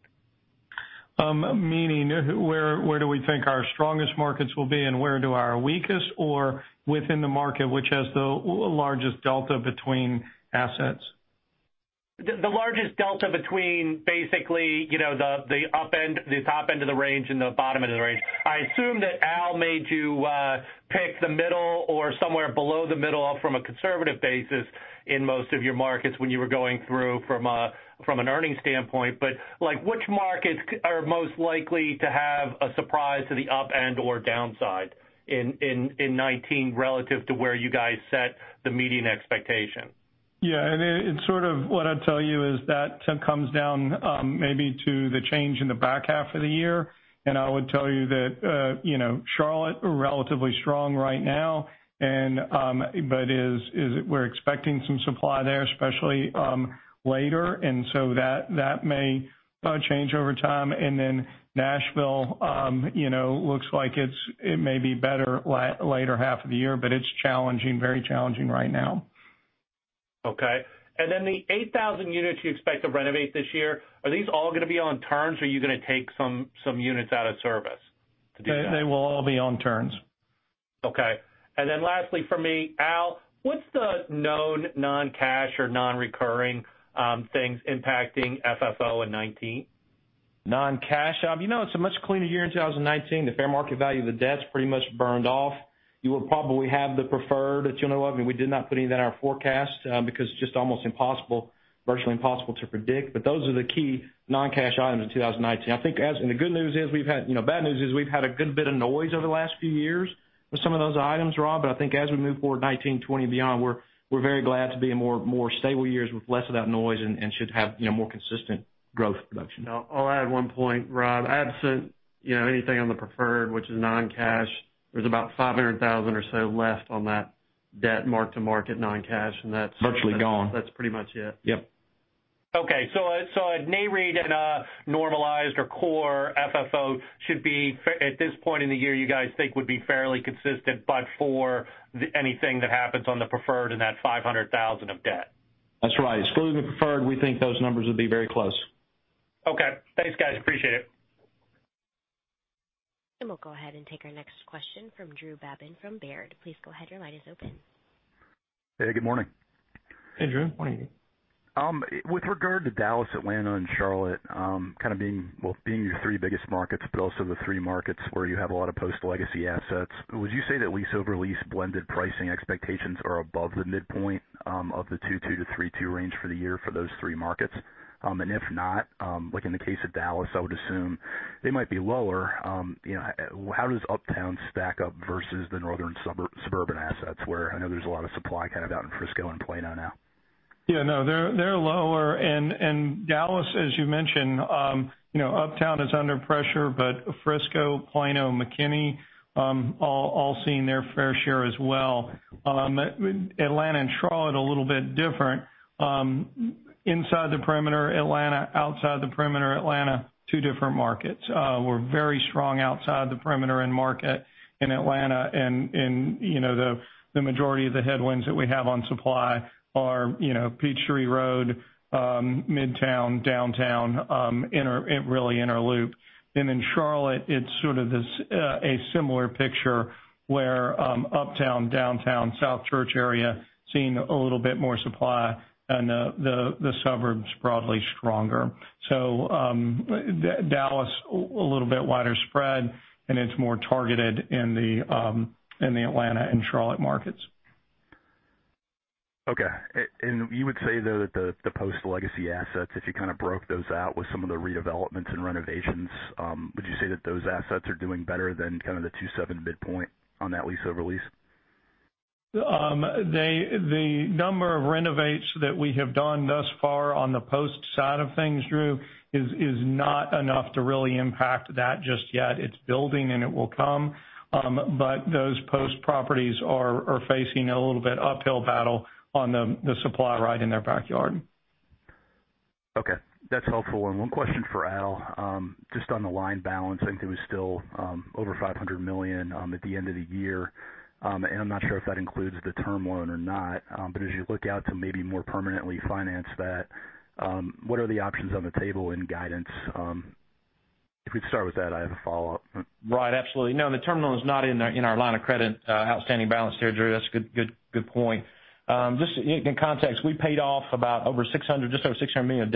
Meaning, where do we think our strongest markets will be, where do our weakest, or within the market, which has the largest delta between assets? The largest delta between basically, the top end of the range and the bottom end of the range. I assume that Al made you pick the middle or somewhere below the middle from a conservative basis in most of your markets when you were going through from an earnings standpoint. Which markets are most likely to have a surprise to the up end or downside in 2019 relative to where you guys set the median expectation? Yeah, sort of what I'd tell you is that comes down maybe to the change in the back half of the year. I would tell you that Charlotte are relatively strong right now, we're expecting some supply there, especially later. So that may change over time. Nashville looks like it may be better later half of the year, it's challenging, very challenging right now. Okay. The 8,000 units you expect to renovate this year, are these all gonna be on turns, or are you gonna take some units out of service to do that? They will all be on turns. Okay. Lastly from me, Al, what's the known non-cash or non-recurring things impacting FFO in 2019? Non-cash. It's a much cleaner year in 2019. The fair market value of the debt's pretty much burned off. You will probably have the preferred that you'll know of. We did not put any of that in our forecast, because it's just almost impossible, virtually impossible to predict. Those are the key non-cash items in 2019. The bad news is we've had a good bit of noise over the last few years with some of those items, Rob. I think as we move forward 2019, 2020 and beyond, we're very glad to be in more stable years with less of that noise and should have more consistent growth production. I'll add one point, Rob. Absent anything on the preferred, which is non-cash, there's about $500,000 or so left on that debt mark-to-market non-cash. Virtually gone That's pretty much it. Yep. Okay. At NAREIT and a normalized or core FFO should be, at this point in the year, you guys think would be fairly consistent but for anything that happens on the preferred and that $500,000 of debt? That's right. Excluding the preferred, we think those numbers would be very close. Okay. Thanks, guys, appreciate it. We'll go ahead and take our next question from Drew Babin from Baird. Please go ahead, your line is open. Hey, good morning. Hey, Drew. Morning. With regard to Dallas, Atlanta, and Charlotte, kind of being your three biggest markets, but also the three markets where you have a lot of Post legacy assets, would you say that lease-over-lease blended pricing expectations are above the midpoint of the two to three, two range for the year for those three markets? If not, like in the case of Dallas, I would assume they might be lower. How does Uptown stack up versus the northern suburban assets, where I know there's a lot of supply kind of out in Frisco and Plano now? Yeah, no, they're lower. Dallas, as you mentioned, Uptown is under pressure, but Frisco, Plano, McKinney, all seeing their fair share as well. Atlanta and Charlotte are a little bit different. Inside the perimeter Atlanta, outside the perimeter Atlanta, two different markets. We're very strong outside the perimeter end market in Atlanta, and the majority of the headwinds that we have on supply are Peachtree Road, Midtown, Downtown, really Inner Loop. In Charlotte, it's sort of a similar picture where Uptown, Downtown, South Church area seeing a little bit more supply, and the suburbs broadly stronger. Dallas, a little bit wider spread, and it's more targeted in the Atlanta and Charlotte markets. Okay. You would say, though, that the Post legacy assets, if you kind of broke those out with some of the redevelopments and renovations, would you say that those assets are doing better than kind of the 2.7 midpoint on that lease over lease? The number of renovates that we have done thus far on the Post side of things, Drew, is not enough to really impact that just yet. It's building and it will come. Those Post properties are facing a little bit uphill battle on the supply right in their backyard. Okay, that's helpful. One question for Al, just on the line balance, I think it was still over $500 million at the end of the year. I'm not sure if that includes the term loan or not. As you look out to maybe more permanently finance that, what are the options on the table in guidance? If we could start with that, I have a follow-up. Right. Absolutely. No, the term loan is not in our line of credit, outstanding balance there, Drew. That's a good point. Just in context, we paid off about just over $600 million of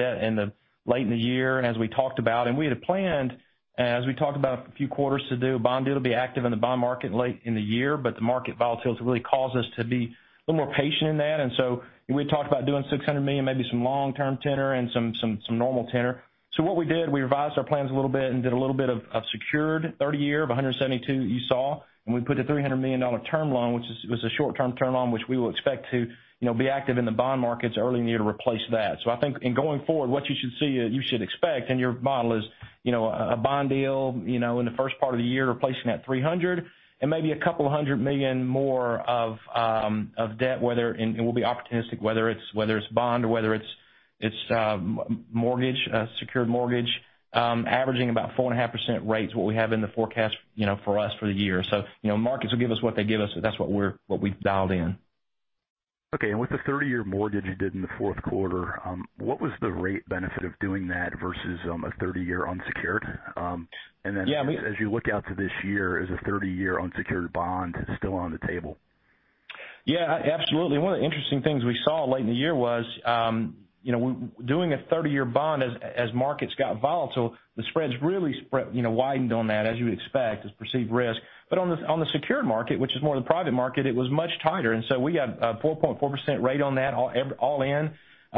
debt late in the year, as we talked about. We had planned, as we talked about a few quarters to do a bond deal to be active in the bond market late in the year, the market volatility really caused us to be a little more patient in that. We had talked about doing $600 million, maybe some long-term tenor and some normal tenor. What we did, we revised our plans a little bit and did a little bit of secured 30 year of 172 that you saw, we put a $300 million term loan, which was a short-term loan, which we will expect to be active in the bond markets early in the year to replace that. I think in going forward, what you should see, you should expect in your model is a bond deal in the first part of the year replacing that $300 and maybe a $200 million more of debt, and we'll be opportunistic, whether it's bond or whether it's secured mortgage, averaging about 4.5% rates, what we have in the forecast for us for the year. Markets will give us what they give us. That's what we've dialed in. Okay. With the 30-year mortgage you did in the fourth quarter, what was the rate benefit of doing that versus a 30-year unsecured? Yeah. As you look out to this year, is a 30-year unsecured bond still on the table? Yeah, absolutely. One of the interesting things we saw late in the year was, doing a 30-year bond, as markets got volatile, the spreads really widened on that, as you would expect, as perceived risk. On the secured market, which is more the private market, it was much tighter. We got a 4.4% rate on that all in,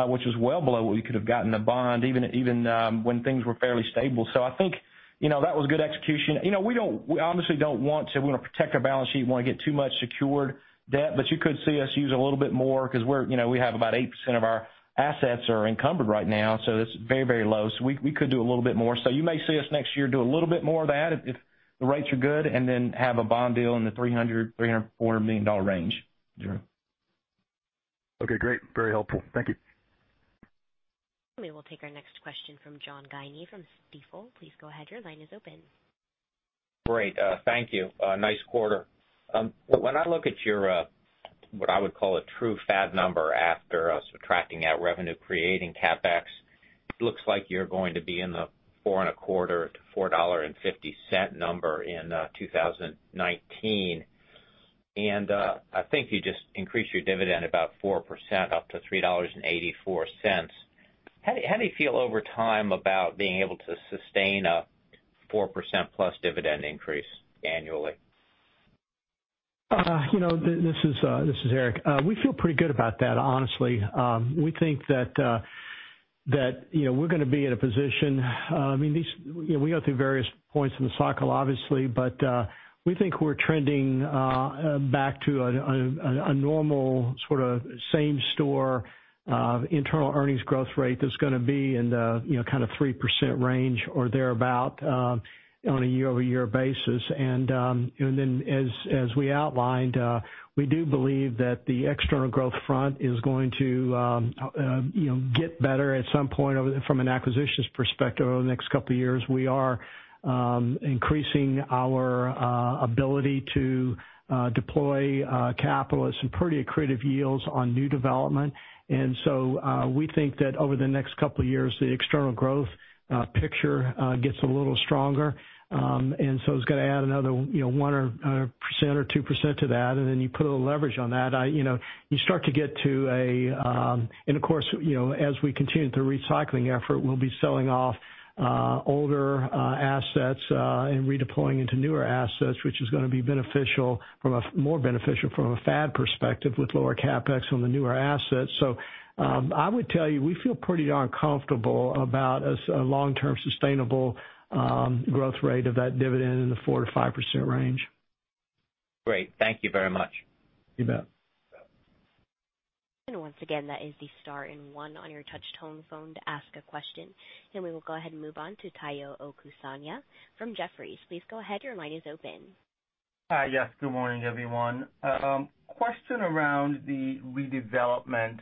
which was well below what we could have got in a bond, even when things were fairly stable. I think that was good execution. We honestly don't want to protect our balance sheet. We don't want to get too much secured debt, but you could see us use a little bit more because we have about 8% of our assets are encumbered right now, so it's very low. We could do a little bit more. You may see us next year do a little bit more of that if the rates are good, and then have a bond deal in the $300 million-$400 million range, Drew. Okay, great. Very helpful. Thank you. We will take our next question from John Guinee from Stifel. Please go ahead. Your line is open. Great. Thank you. Nice quarter. When I look at your, what I would call a true FAD number after subtracting out revenue creating CapEx, it looks like you're going to be in the four and a quarter to $4.50 number in 2019. I think you just increased your dividend about 4% up to $3.84. How do you feel over time about being able to sustain a 4%+ dividend increase annually? This is Eric. We feel pretty good about that, honestly. We think that we're going to be in a position We go through various points in the cycle, obviously, but we think we're trending back to a normal sort of same store internal earnings growth rate that's going to be in the kind of 3% range or thereabout on a year-over-year basis. As we outlined, we do believe that the external growth front is going to get better at some point from an acquisitions perspective over the next couple of years. We are increasing our ability to deploy capital at some pretty accretive yields on new development. We think that over the next couple of years, the external growth picture gets a little stronger. It's going to add another 1% or 2% to that, and then you put a little leverage on that. Of course, as we continue the recycling effort, we'll be selling off older assets and redeploying into newer assets, which is going to be more beneficial from a FAD perspective with lower CapEx on the newer assets. I would tell you, we feel pretty darn comfortable about a long-term sustainable growth rate of that dividend in the 4%-5% range. Great. Thank you very much. You bet. Once again, that is the star and one on your touch-tone phone to ask a question. We will go ahead and move on to Tayo Okusanya from Jefferies. Please go ahead. Your line is open. Hi. Yes, good morning, everyone. Question around the redevelopment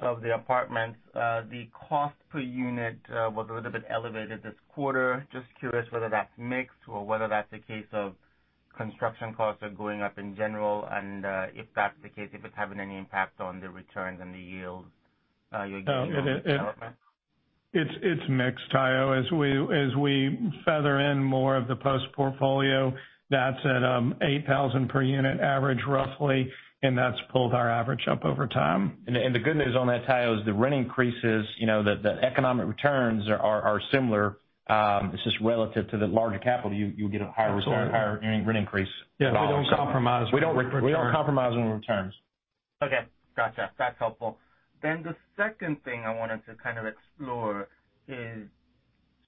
of the apartments. The cost per unit was a little bit elevated this quarter. Just curious whether that's mixed or whether that's a case of construction costs are going up in general, and if that's the case, if it's having any impact on the returns and the yields you're getting from redevelopment. It's mixed, Tayo. As we feather in more of the Post portfolio, that's at $8,000 per unit average, roughly. That's pulled our average up over time. The good news on that, Tayo, is the rent increases, the economic returns are similar. It's just relative to the larger capital, you get a higher return. Absolutely. Higher rent increase. Yes, we don't compromise on return. We don't compromise on returns. Okay. Gotcha. That's helpful. The second thing I wanted to kind of explore is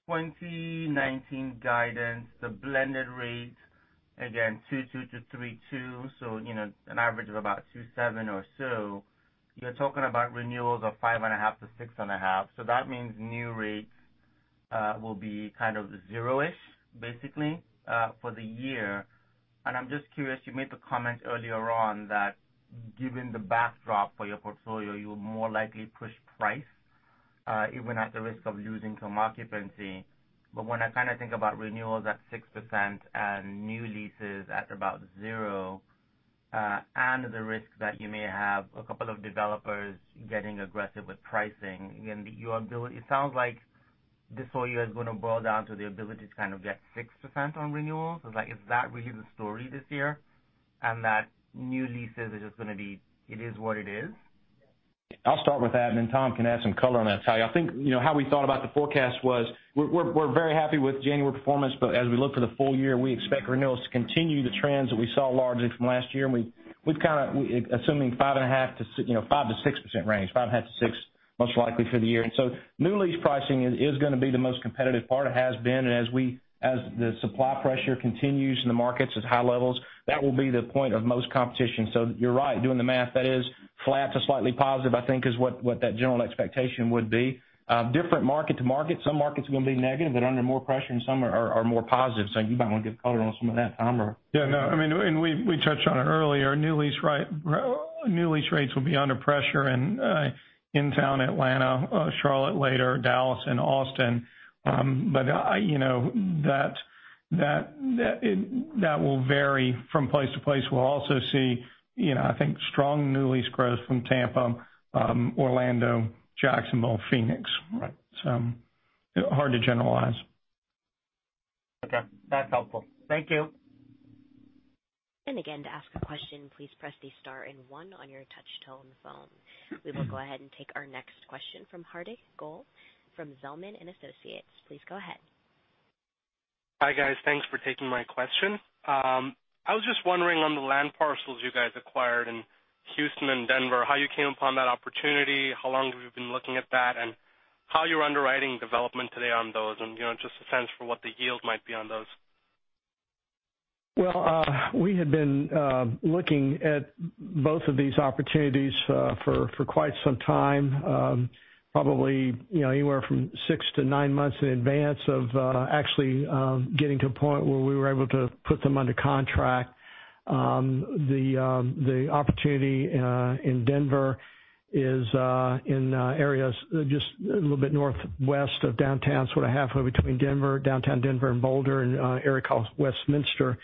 2019 guidance, the blended rate, again, 2.2-3.2, so an average of about 2.7 or so. You're talking about renewals of 5.5-6.5, so that means new rates will be kind of zero-ish basically, for the year. I'm just curious, you made the comment earlier on that given the backdrop for your portfolio, you will more likely push price, even at the risk of losing some occupancy. When I kind of think about renewals at 6% and new leases at about zero, and the risk that you may have a couple of developers getting aggressive with pricing, it sounds like this all year is going to boil down to the ability to kind of get 6% on renewals. Is that really the story this year? That new leases are just going to be it is what it is? I'll start with that, and then Tom can add some color on that, Tayo. I think, how we thought about the forecast was, we're very happy with January performance, but as we look to the full year, we expect renewals to continue the trends that we saw largely from last year, assuming 5% to 6% range, 5.5% to 6% most likely for the year. new lease pricing is going to be the most competitive part, it has been, and as the supply pressure continues in the markets at high levels, that will be the point of most competition. you're right, doing the math, that is flat to slightly positive, I think is what that general expectation would be. Different market to market. Some markets are going to be negative and under more pressure, and some are more positive. you might want to give color on some of that, Tom. Yeah. No, and we touched on it earlier. New lease rates will be under pressure in inside Atlanta, Charlotte later, Dallas, andHouston. That will vary from place to place. We'll also see I think strong new lease growth from Tampa, Orlando, Jacksonville, Phoenix. Right. hard to generalize. Okay. That's helpful. Thank you. again, to ask a question, please press the star and one on your touch-tone phone. We will go ahead and take our next question from Hardik Goel from Zelman & Associates. Please go ahead. Hi, guys. Thanks for taking my question. I was just wondering on the land parcels you guys acquired in Houston and Denver, how you came upon that opportunity, how long have you been looking at that, and how you're underwriting development today on those, and just a sense for what the yield might be on those. Well, we had been looking at both of these opportunities for quite some time. Probably, anywhere from six to nine months in advance of actually getting to a point where we were able to put them under contract. The opportunity in Denver is in areas just a little bit northwest of downtown, sort of halfway between Denver, downtown Denver, and Boulder, an area called Westminster,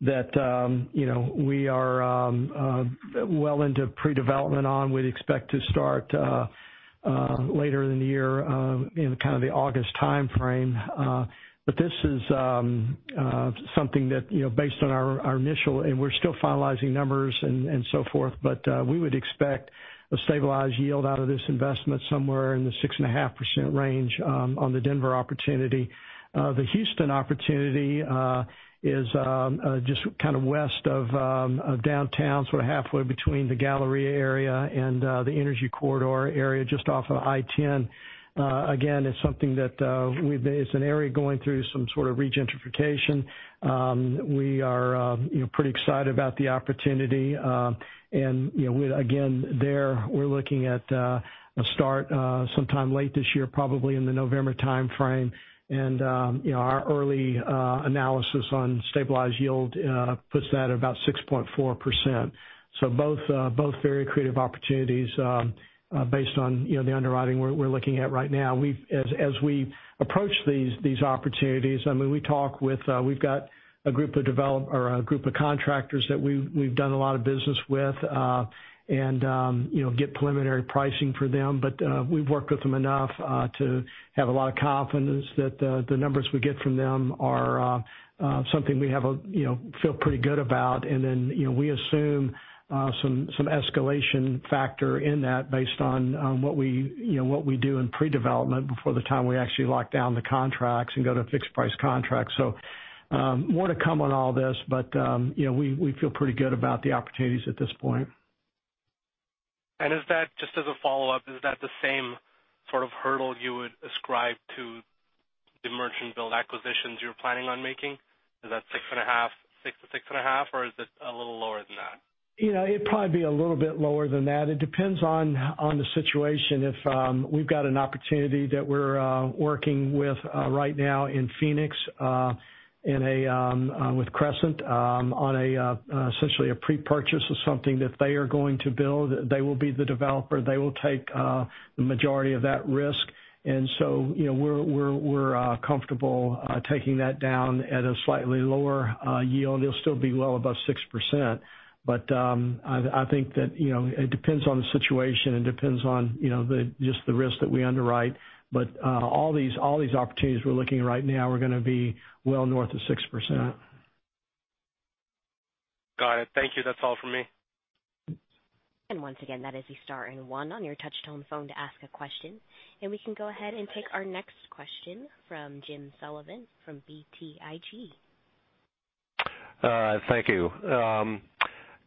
that we are well into pre-development on. We'd expect to start later in the year, in kind of the August timeframe. This is something that based on our initial. We're still finalizing numbers and so forth, but we would expect a stabilized yield out of this investment somewhere in the 6.5% range on the Denver opportunity. The Houston opportunity is just kind of west of downtown, sort of halfway between the Galleria area and the Energy Corridor area, just off of I-10. Again, it's an area going through some sort of gentrification. We are pretty excited about the opportunity. Again, there, we're looking at a start sometime late this year, probably in the November timeframe. Our early analysis on stabilized yield puts that at about 6.4%. Both very accretive opportunities based on the underwriting we're looking at right now. As we approach these opportunities, we've got a group of contractors that we've done a lot of business with, and get preliminary pricing for them. We've worked with them enough to have a lot of confidence that the numbers we get from them are something we feel pretty good about. We assume some escalation factor in that based on what we do in pre-development before the time we actually lock down the contracts and go to fixed price contracts. More to come on all this, but we feel pretty good about the opportunities at this point. Just as a follow-up, is that the same sort of hurdle you would ascribe to the merchant build acquisitions you're planning on making? Is that 6.5% or is it a little lower than that? It'd probably be a little bit lower than that. It depends on the situation. If we've got an opportunity that we're working with right now in Phoenix with Crescent on essentially a pre-purchase of something that they are going to build. They will be the developer. They will take the majority of that risk. We're comfortable taking that down at a slightly lower yield. It'll still be well above 6%. I think that it depends on the situation. It depends on just the risk that we underwrite. All these opportunities we're looking at right now are going to be well north of 6%. Got it. Thank you. That's all for me. Once again, that is your star and one on your touch-tone phone to ask a question. We can go ahead and take our next question from Jim Sullivan from BTIG. Thank you.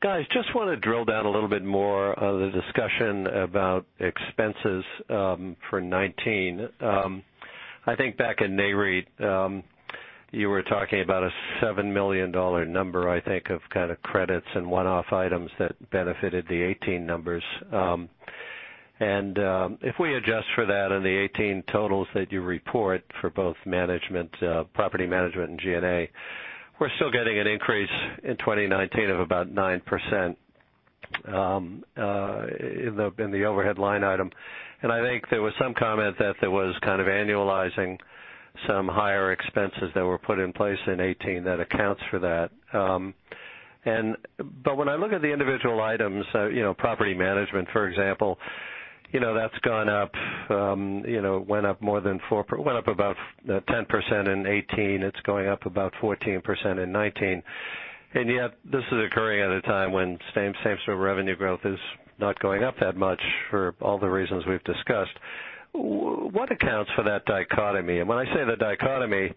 Guys, just want to drill down a little bit more on the discussion about expenses for 2019. I think back in NAREIT, you were talking about a $7 million number, I think, of kind of credits and one-off items that benefited the 2018 numbers. If we adjust for that in the 2018 totals that you report for both property management and G&A, we're still getting an increase in 2019 of about 9% in the overhead line item. I think there was some comment that there was kind of annualizing some higher expenses that were put in place in 2018 that accounts for that. When I look at the individual items, property management, for example, that's went up about 10% in 2018. It's going up about 14% in 2019. Yet this is occurring at a time when same-store revenue growth is not going up that much for all the reasons we've discussed. What accounts for that dichotomy? When I say the dichotomy,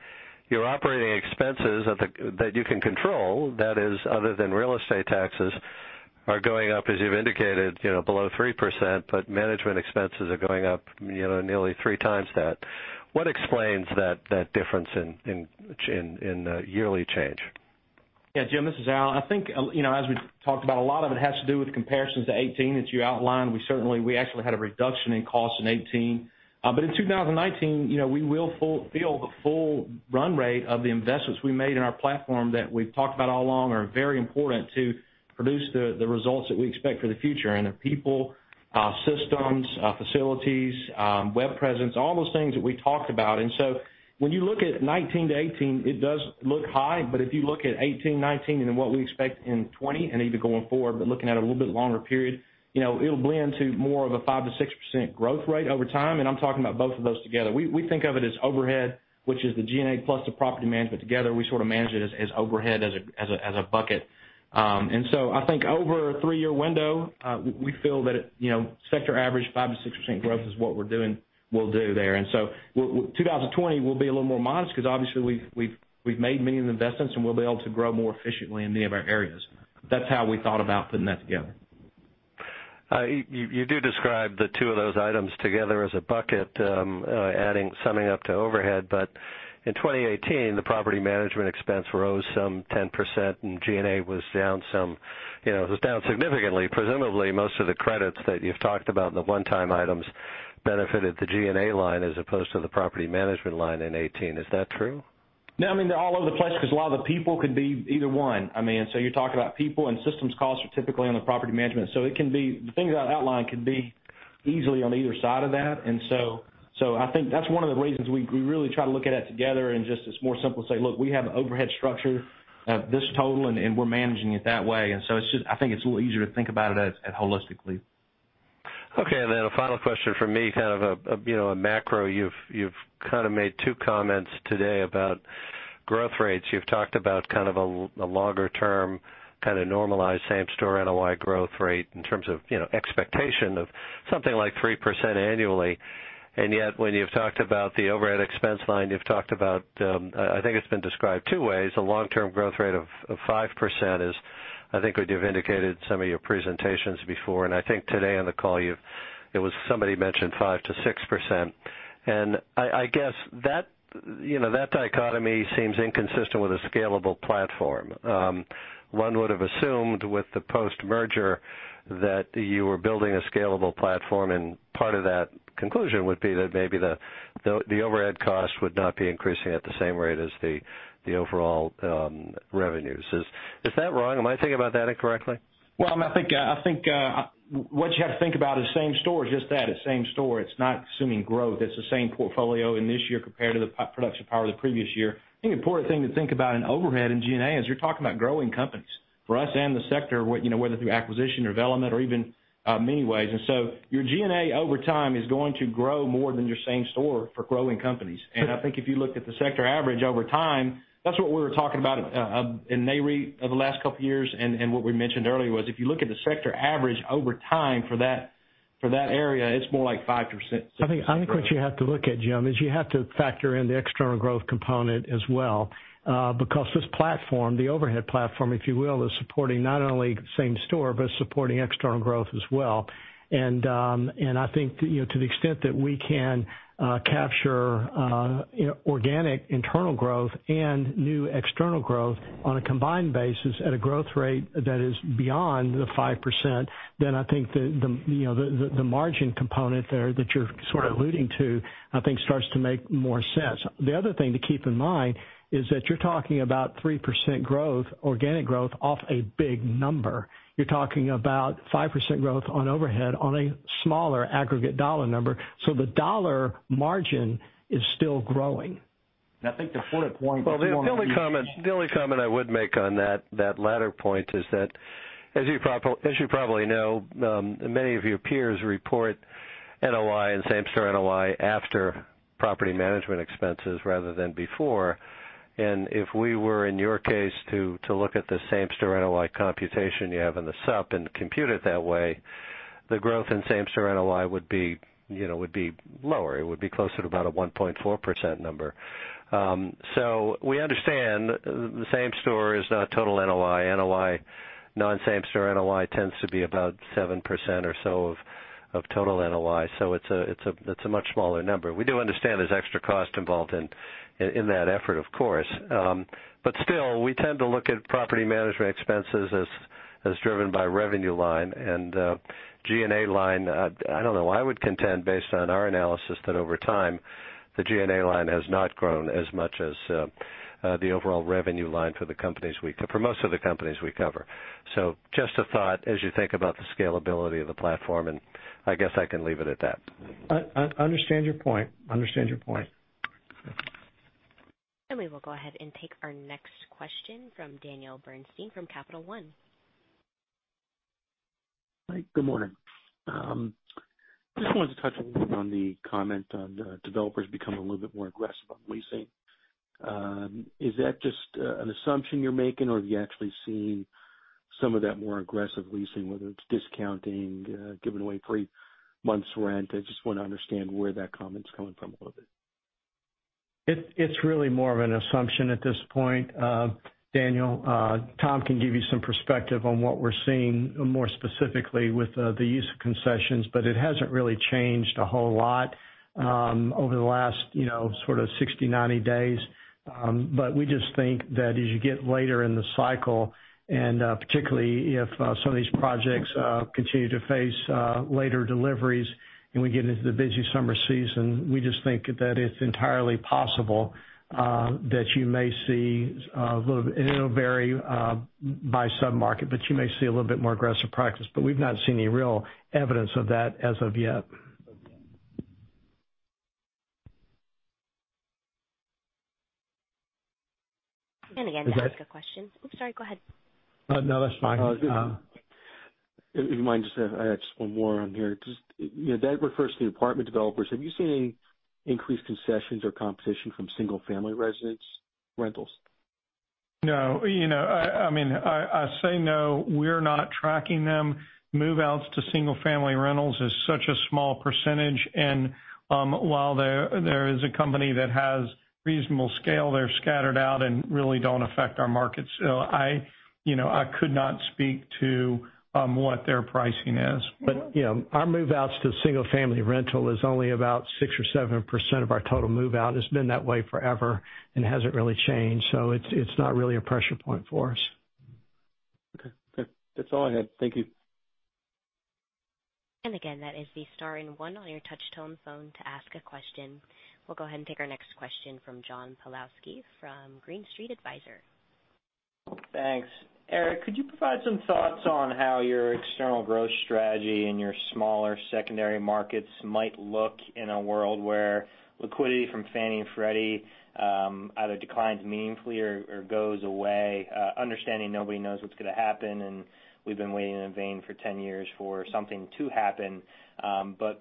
your operating expenses that you can control, that is other than real estate taxes, are going up, as you've indicated, below 3%, but management expenses are going up nearly three times that. What explains that difference in yearly change? Yeah, Jim, this is Al. I think, as we talked about, a lot of it has to do with comparisons to 2018 that you outlined. We actually had a reduction in cost in 2018. In 2019, we will feel the full run rate of the investments we made in our platform that we've talked about all along are very important to produce the results that we expect for the future in our people, our systems, our facilities, web presence, all those things that we talked about. When you look at 2019 to 2018, it does look high. If you look at 2018, 2019, and then what we expect in 2020, and even going forward, but looking at a little bit longer period, it'll blend to more of a 5% to 6% growth rate over time. I'm talking about both of those together. We think of it as overhead, which is the G&A plus the property management together. We sort of manage it as overhead as a bucket. I think over a three-year window, we feel that sector average 5% to 6% growth is what we'll do there. 2020 will be a little more modest because obviously we've made many of the investments, and we'll be able to grow more efficiently in many of our areas. That's how we thought about putting that together. You do describe the two of those items together as a bucket, summing up to overhead. In 2018, the property management expense rose some 10%, and G&A was down significantly. Presumably, most of the credits that you've talked about and the one-time items benefited the G&A line as opposed to the property management line in 2018. Is that true? No, I mean, they're all over the place because a lot of the people could be either one. I mean, so you're talking about people and systems costs are typically on the property management. The things that I outlined could be easily on either side of that. I think that's one of the reasons we really try to look at it together and just it's more simple to say, look, we have an overhead structure of this total, and we're managing it that way. I think it's a little easier to think about it holistically. Okay. Then a final question from me, kind of a macro. You've kind of made two comments today about growth rates. You've talked about kind of a longer-term, kind of normalized same-store NOI growth rate in terms of expectation of something like 3% annually. Yet when you've talked about the overhead expense line, you've talked about, I think it's been described two ways, a long-term growth rate of 5% is, I think what you've indicated in some of your presentations before. I think today on the call, it was somebody mentioned 5%-6%. I guess that dichotomy seems inconsistent with a scalable platform. One would have assumed with the post-merger that you were building a scalable platform, and part of that conclusion would be that maybe the overhead cost would not be increasing at the same rate as the overall revenues. Is that wrong? Am I thinking about that incorrectly? Well, I think what you have to think about is same store is just that. It's same store. It's not assuming growth. It's the same portfolio in this year compared to the production power of the previous year. I think the important thing to think about in overhead in G&A is you're talking about growing companies, for us and the sector, whether through acquisition or development or even many ways. Your G&A over time is going to grow more than your same store for growing companies. I think if you look at the sector average over time, that's what we were talking about in NAREIT over the last couple of years, and what we mentioned earlier was if you look at the sector average over time for that- For that area, it's more like 5%, 6%. I think what you have to look at, Jim, is you have to factor in the external growth component as well. Because this platform, the overhead platform, if you will, is supporting not only same store, but supporting external growth as well. I think to the extent that we can capture organic internal growth and new external growth on a combined basis at a growth rate that is beyond the 5%, then I think the margin component there that you're sort of alluding to, I think starts to make more sense. The other thing to keep in mind is that you're talking about 3% growth, organic growth, off a big number. You're talking about 5% growth on overhead on a smaller aggregate dollar number. The dollar margin is still growing. I think the fuller point- Well, the only comment I would make on that latter point is that, as you probably know, many of your peers report NOI and same store NOI after property management expenses rather than before. If we were, in your case, to look at the same store NOI computation you have in the sup and compute it that way, the growth in same store NOI would be lower. It would be closer to about a 1.4% number. We understand the same store is not total NOI. Non-same store NOI tends to be about 7% or so of total NOI, so it's a much smaller number. We do understand there's extra cost involved in that effort, of course. Still, we tend to look at property management expenses as driven by revenue line and G&A line. I don't know. I would contend, based on our analysis, that over time, the G&A line has not grown as much as the overall revenue line for most of the companies we cover. Just a thought as you think about the scalability of the platform, and I guess I can leave it at that. Understand your point. We will go ahead and take our next question from Daniel Bernstein from Capital One. Hi, good morning. Just wanted to touch a little bit on the comment on the developers becoming a little bit more aggressive on leasing. Is that just an assumption you're making or are you actually seeing some of that more aggressive leasing, whether it's discounting, giving away free month's rent? I just want to understand where that comment's coming from a little bit. It's really more of an assumption at this point, Daniel. Tom can give you some perspective on what we're seeing more specifically with the use of concessions, but it hasn't really changed a whole lot over the last sort of 60, 90 days. We just think that as you get later in the cycle, and particularly if some of these projects continue to face later deliveries and we get into the busy summer season, we just think that it's entirely possible that you may see a little. It'll vary by sub-market, but you may see a little bit more aggressive practice. We've not seen any real evidence of that as of yet. again, to ask a question I'm sorry, go ahead. No, that's fine. If you mind, just I had just one more on here. Just that refers to the apartment developers. Have you seen any increased concessions or competition from single-family residence rentals? No. I say no. We're not tracking them. Move-outs to single-family rentals is such a small percentage, and while there is a company that has reasonable scale, they're scattered out and really don't affect our markets. I could not speak to what their pricing is. our move-outs to single-family rental is only about six or seven% of our total move-out, and it's been that way forever and hasn't really changed. It's not really a pressure point for us. Okay. That's all I had. Thank you. Again, that is the star and one on your touch-tone phone to ask a question. We'll go ahead and take our next question from John Pawlowski from Green Street Advisors. Thanks. Eric, could you provide some thoughts on how your external growth strategy in your smaller secondary markets might look in a world where liquidity from Fannie and Freddie either declines meaningfully or goes away? Understanding nobody knows what's going to happen, and we've been waiting in vain for 10 years for something to happen.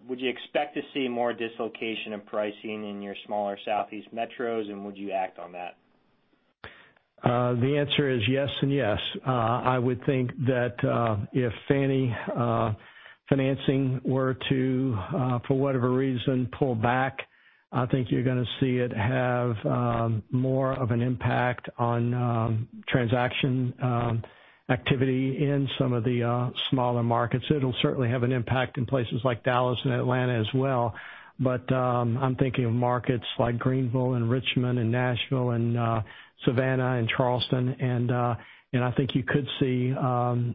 Would you expect to see more dislocation of pricing in your smaller southeast metros, and would you act on that? The answer is yes and yes. I would think that if Fannie financing were to, for whatever reason, pull back, I think you're going to see it have more of an impact on transaction activity in some of the smaller markets. It'll certainly have an impact in places like Dallas and Atlanta as well. I'm thinking of markets like Greenville and Richmond and Nashville and Savannah and Charleston, and I think you could see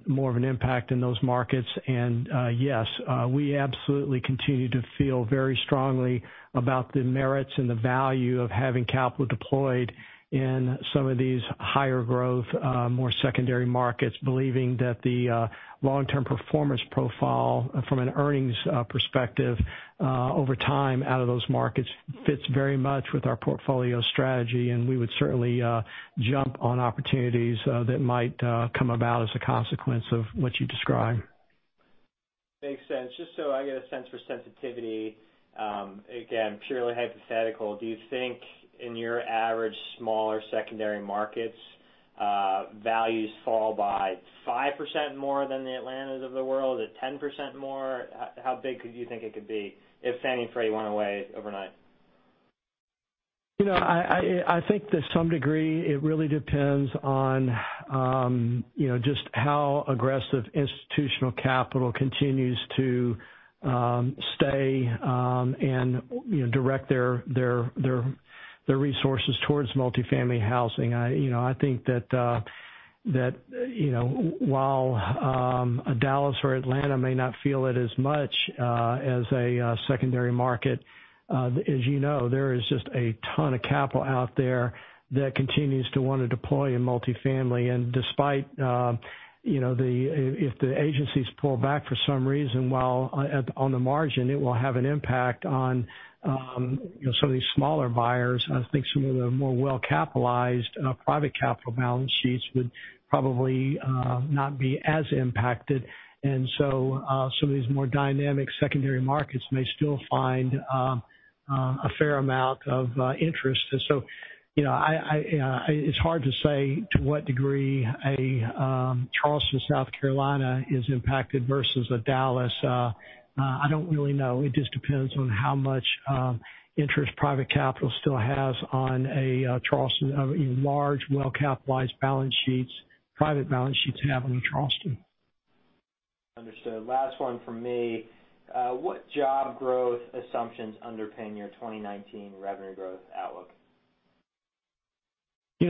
more of an impact in those markets. Yes, we absolutely continue to feel very strongly about the merits and the value of having capital deployed in some of these higher growth, more secondary markets, believing that the long-term performance profile from an earnings perspective over time out of those markets fits very much with our portfolio strategy, and we would certainly jump on opportunities that might come about as a consequence of what you describe. Makes sense. Just so I get a sense for sensitivity, again, purely hypothetical, do you think in your average smaller secondary markets values fall by 5% more than the Atlantas of the world, at 10% more? How big could you think it could be if Fannie and Freddie went away overnight? I think to some degree, it really depends on just how aggressive institutional capital continues to stay and direct their resources towards multifamily housing. I think that while a Dallas or Atlanta may not feel it as much as a secondary market, as you know, there is just a ton of capital out there that continues to want to deploy in multifamily. Despite if the agencies pull back for some reason, while on the margin, it will have an impact on some of these smaller buyers, I think some of the more well-capitalized private capital balance sheets would probably not be as impacted. So some of these more dynamic secondary markets may still find a fair amount of interest. It's hard to say to what degree a Charleston, South Carolina is impacted versus a Dallas. I don't really know. It just depends on how much interest private capital still has on a Charleston, large, well-capitalized balance sheets, private balance sheets have in Charleston. Understood. Last one from me. What job growth assumptions underpin your 2019 revenue growth outlook?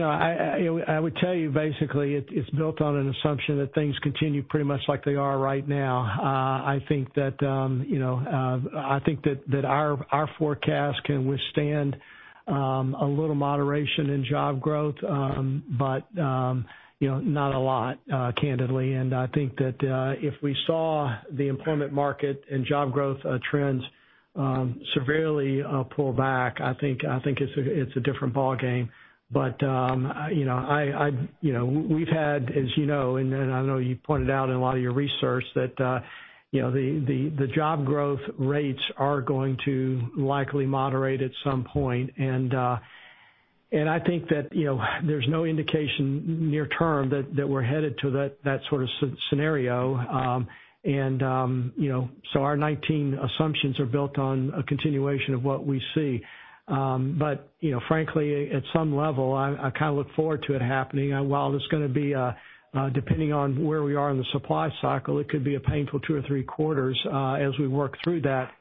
I would tell you, basically, it's built on an assumption that things continue pretty much like they are right now. I think that our forecast can withstand a little moderation in job growth, but not a lot, candidly. I think that if we saw the employment market and job growth trends severely pull back, I think it's a different ball game. We've had, as you know, and I know you pointed out in a lot of your research that the job growth rates are going to likely moderate at some point. I think that there's no indication near term that we're headed to that sort of scenario. Our 2019 assumptions are built on a continuation of what we see. Frankly, at some level, I kind of look forward to it happening. While it's going to be, depending on where we are in the supply cycle, it could be a painful two or three quarters as we work through that.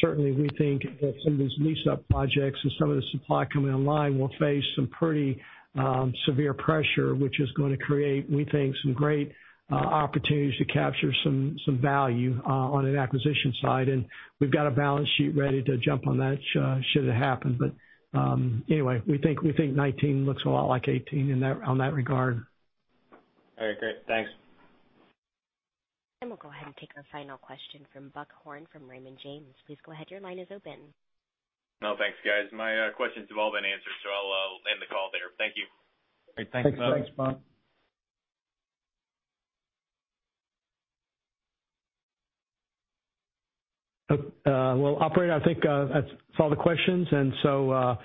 Certainly, we think that some of these lease-up projects and some of the supply coming online will face some pretty severe pressure, which is going to create, we think, some great opportunities to capture some value on an acquisition side. We've got a balance sheet ready to jump on that should it happen. Anyway, we think 2019 looks a lot like 2018 on that regard. All right, great. Thanks. we'll go ahead and take a final question from Buck Horne from Raymond James. Please go ahead, your line is open. No, thanks, guys. My questions have all been answered, so I'll end the call there. Thank you. Great. Thanks. Thanks. Thanks, Buck. Well, operator, I think that's all the questions, and so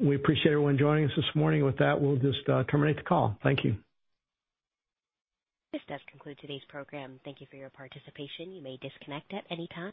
we appreciate everyone joining us this morning. With that, we'll just terminate the call. Thank you. This does conclude today's program. Thank you for your participation. You may disconnect at any time.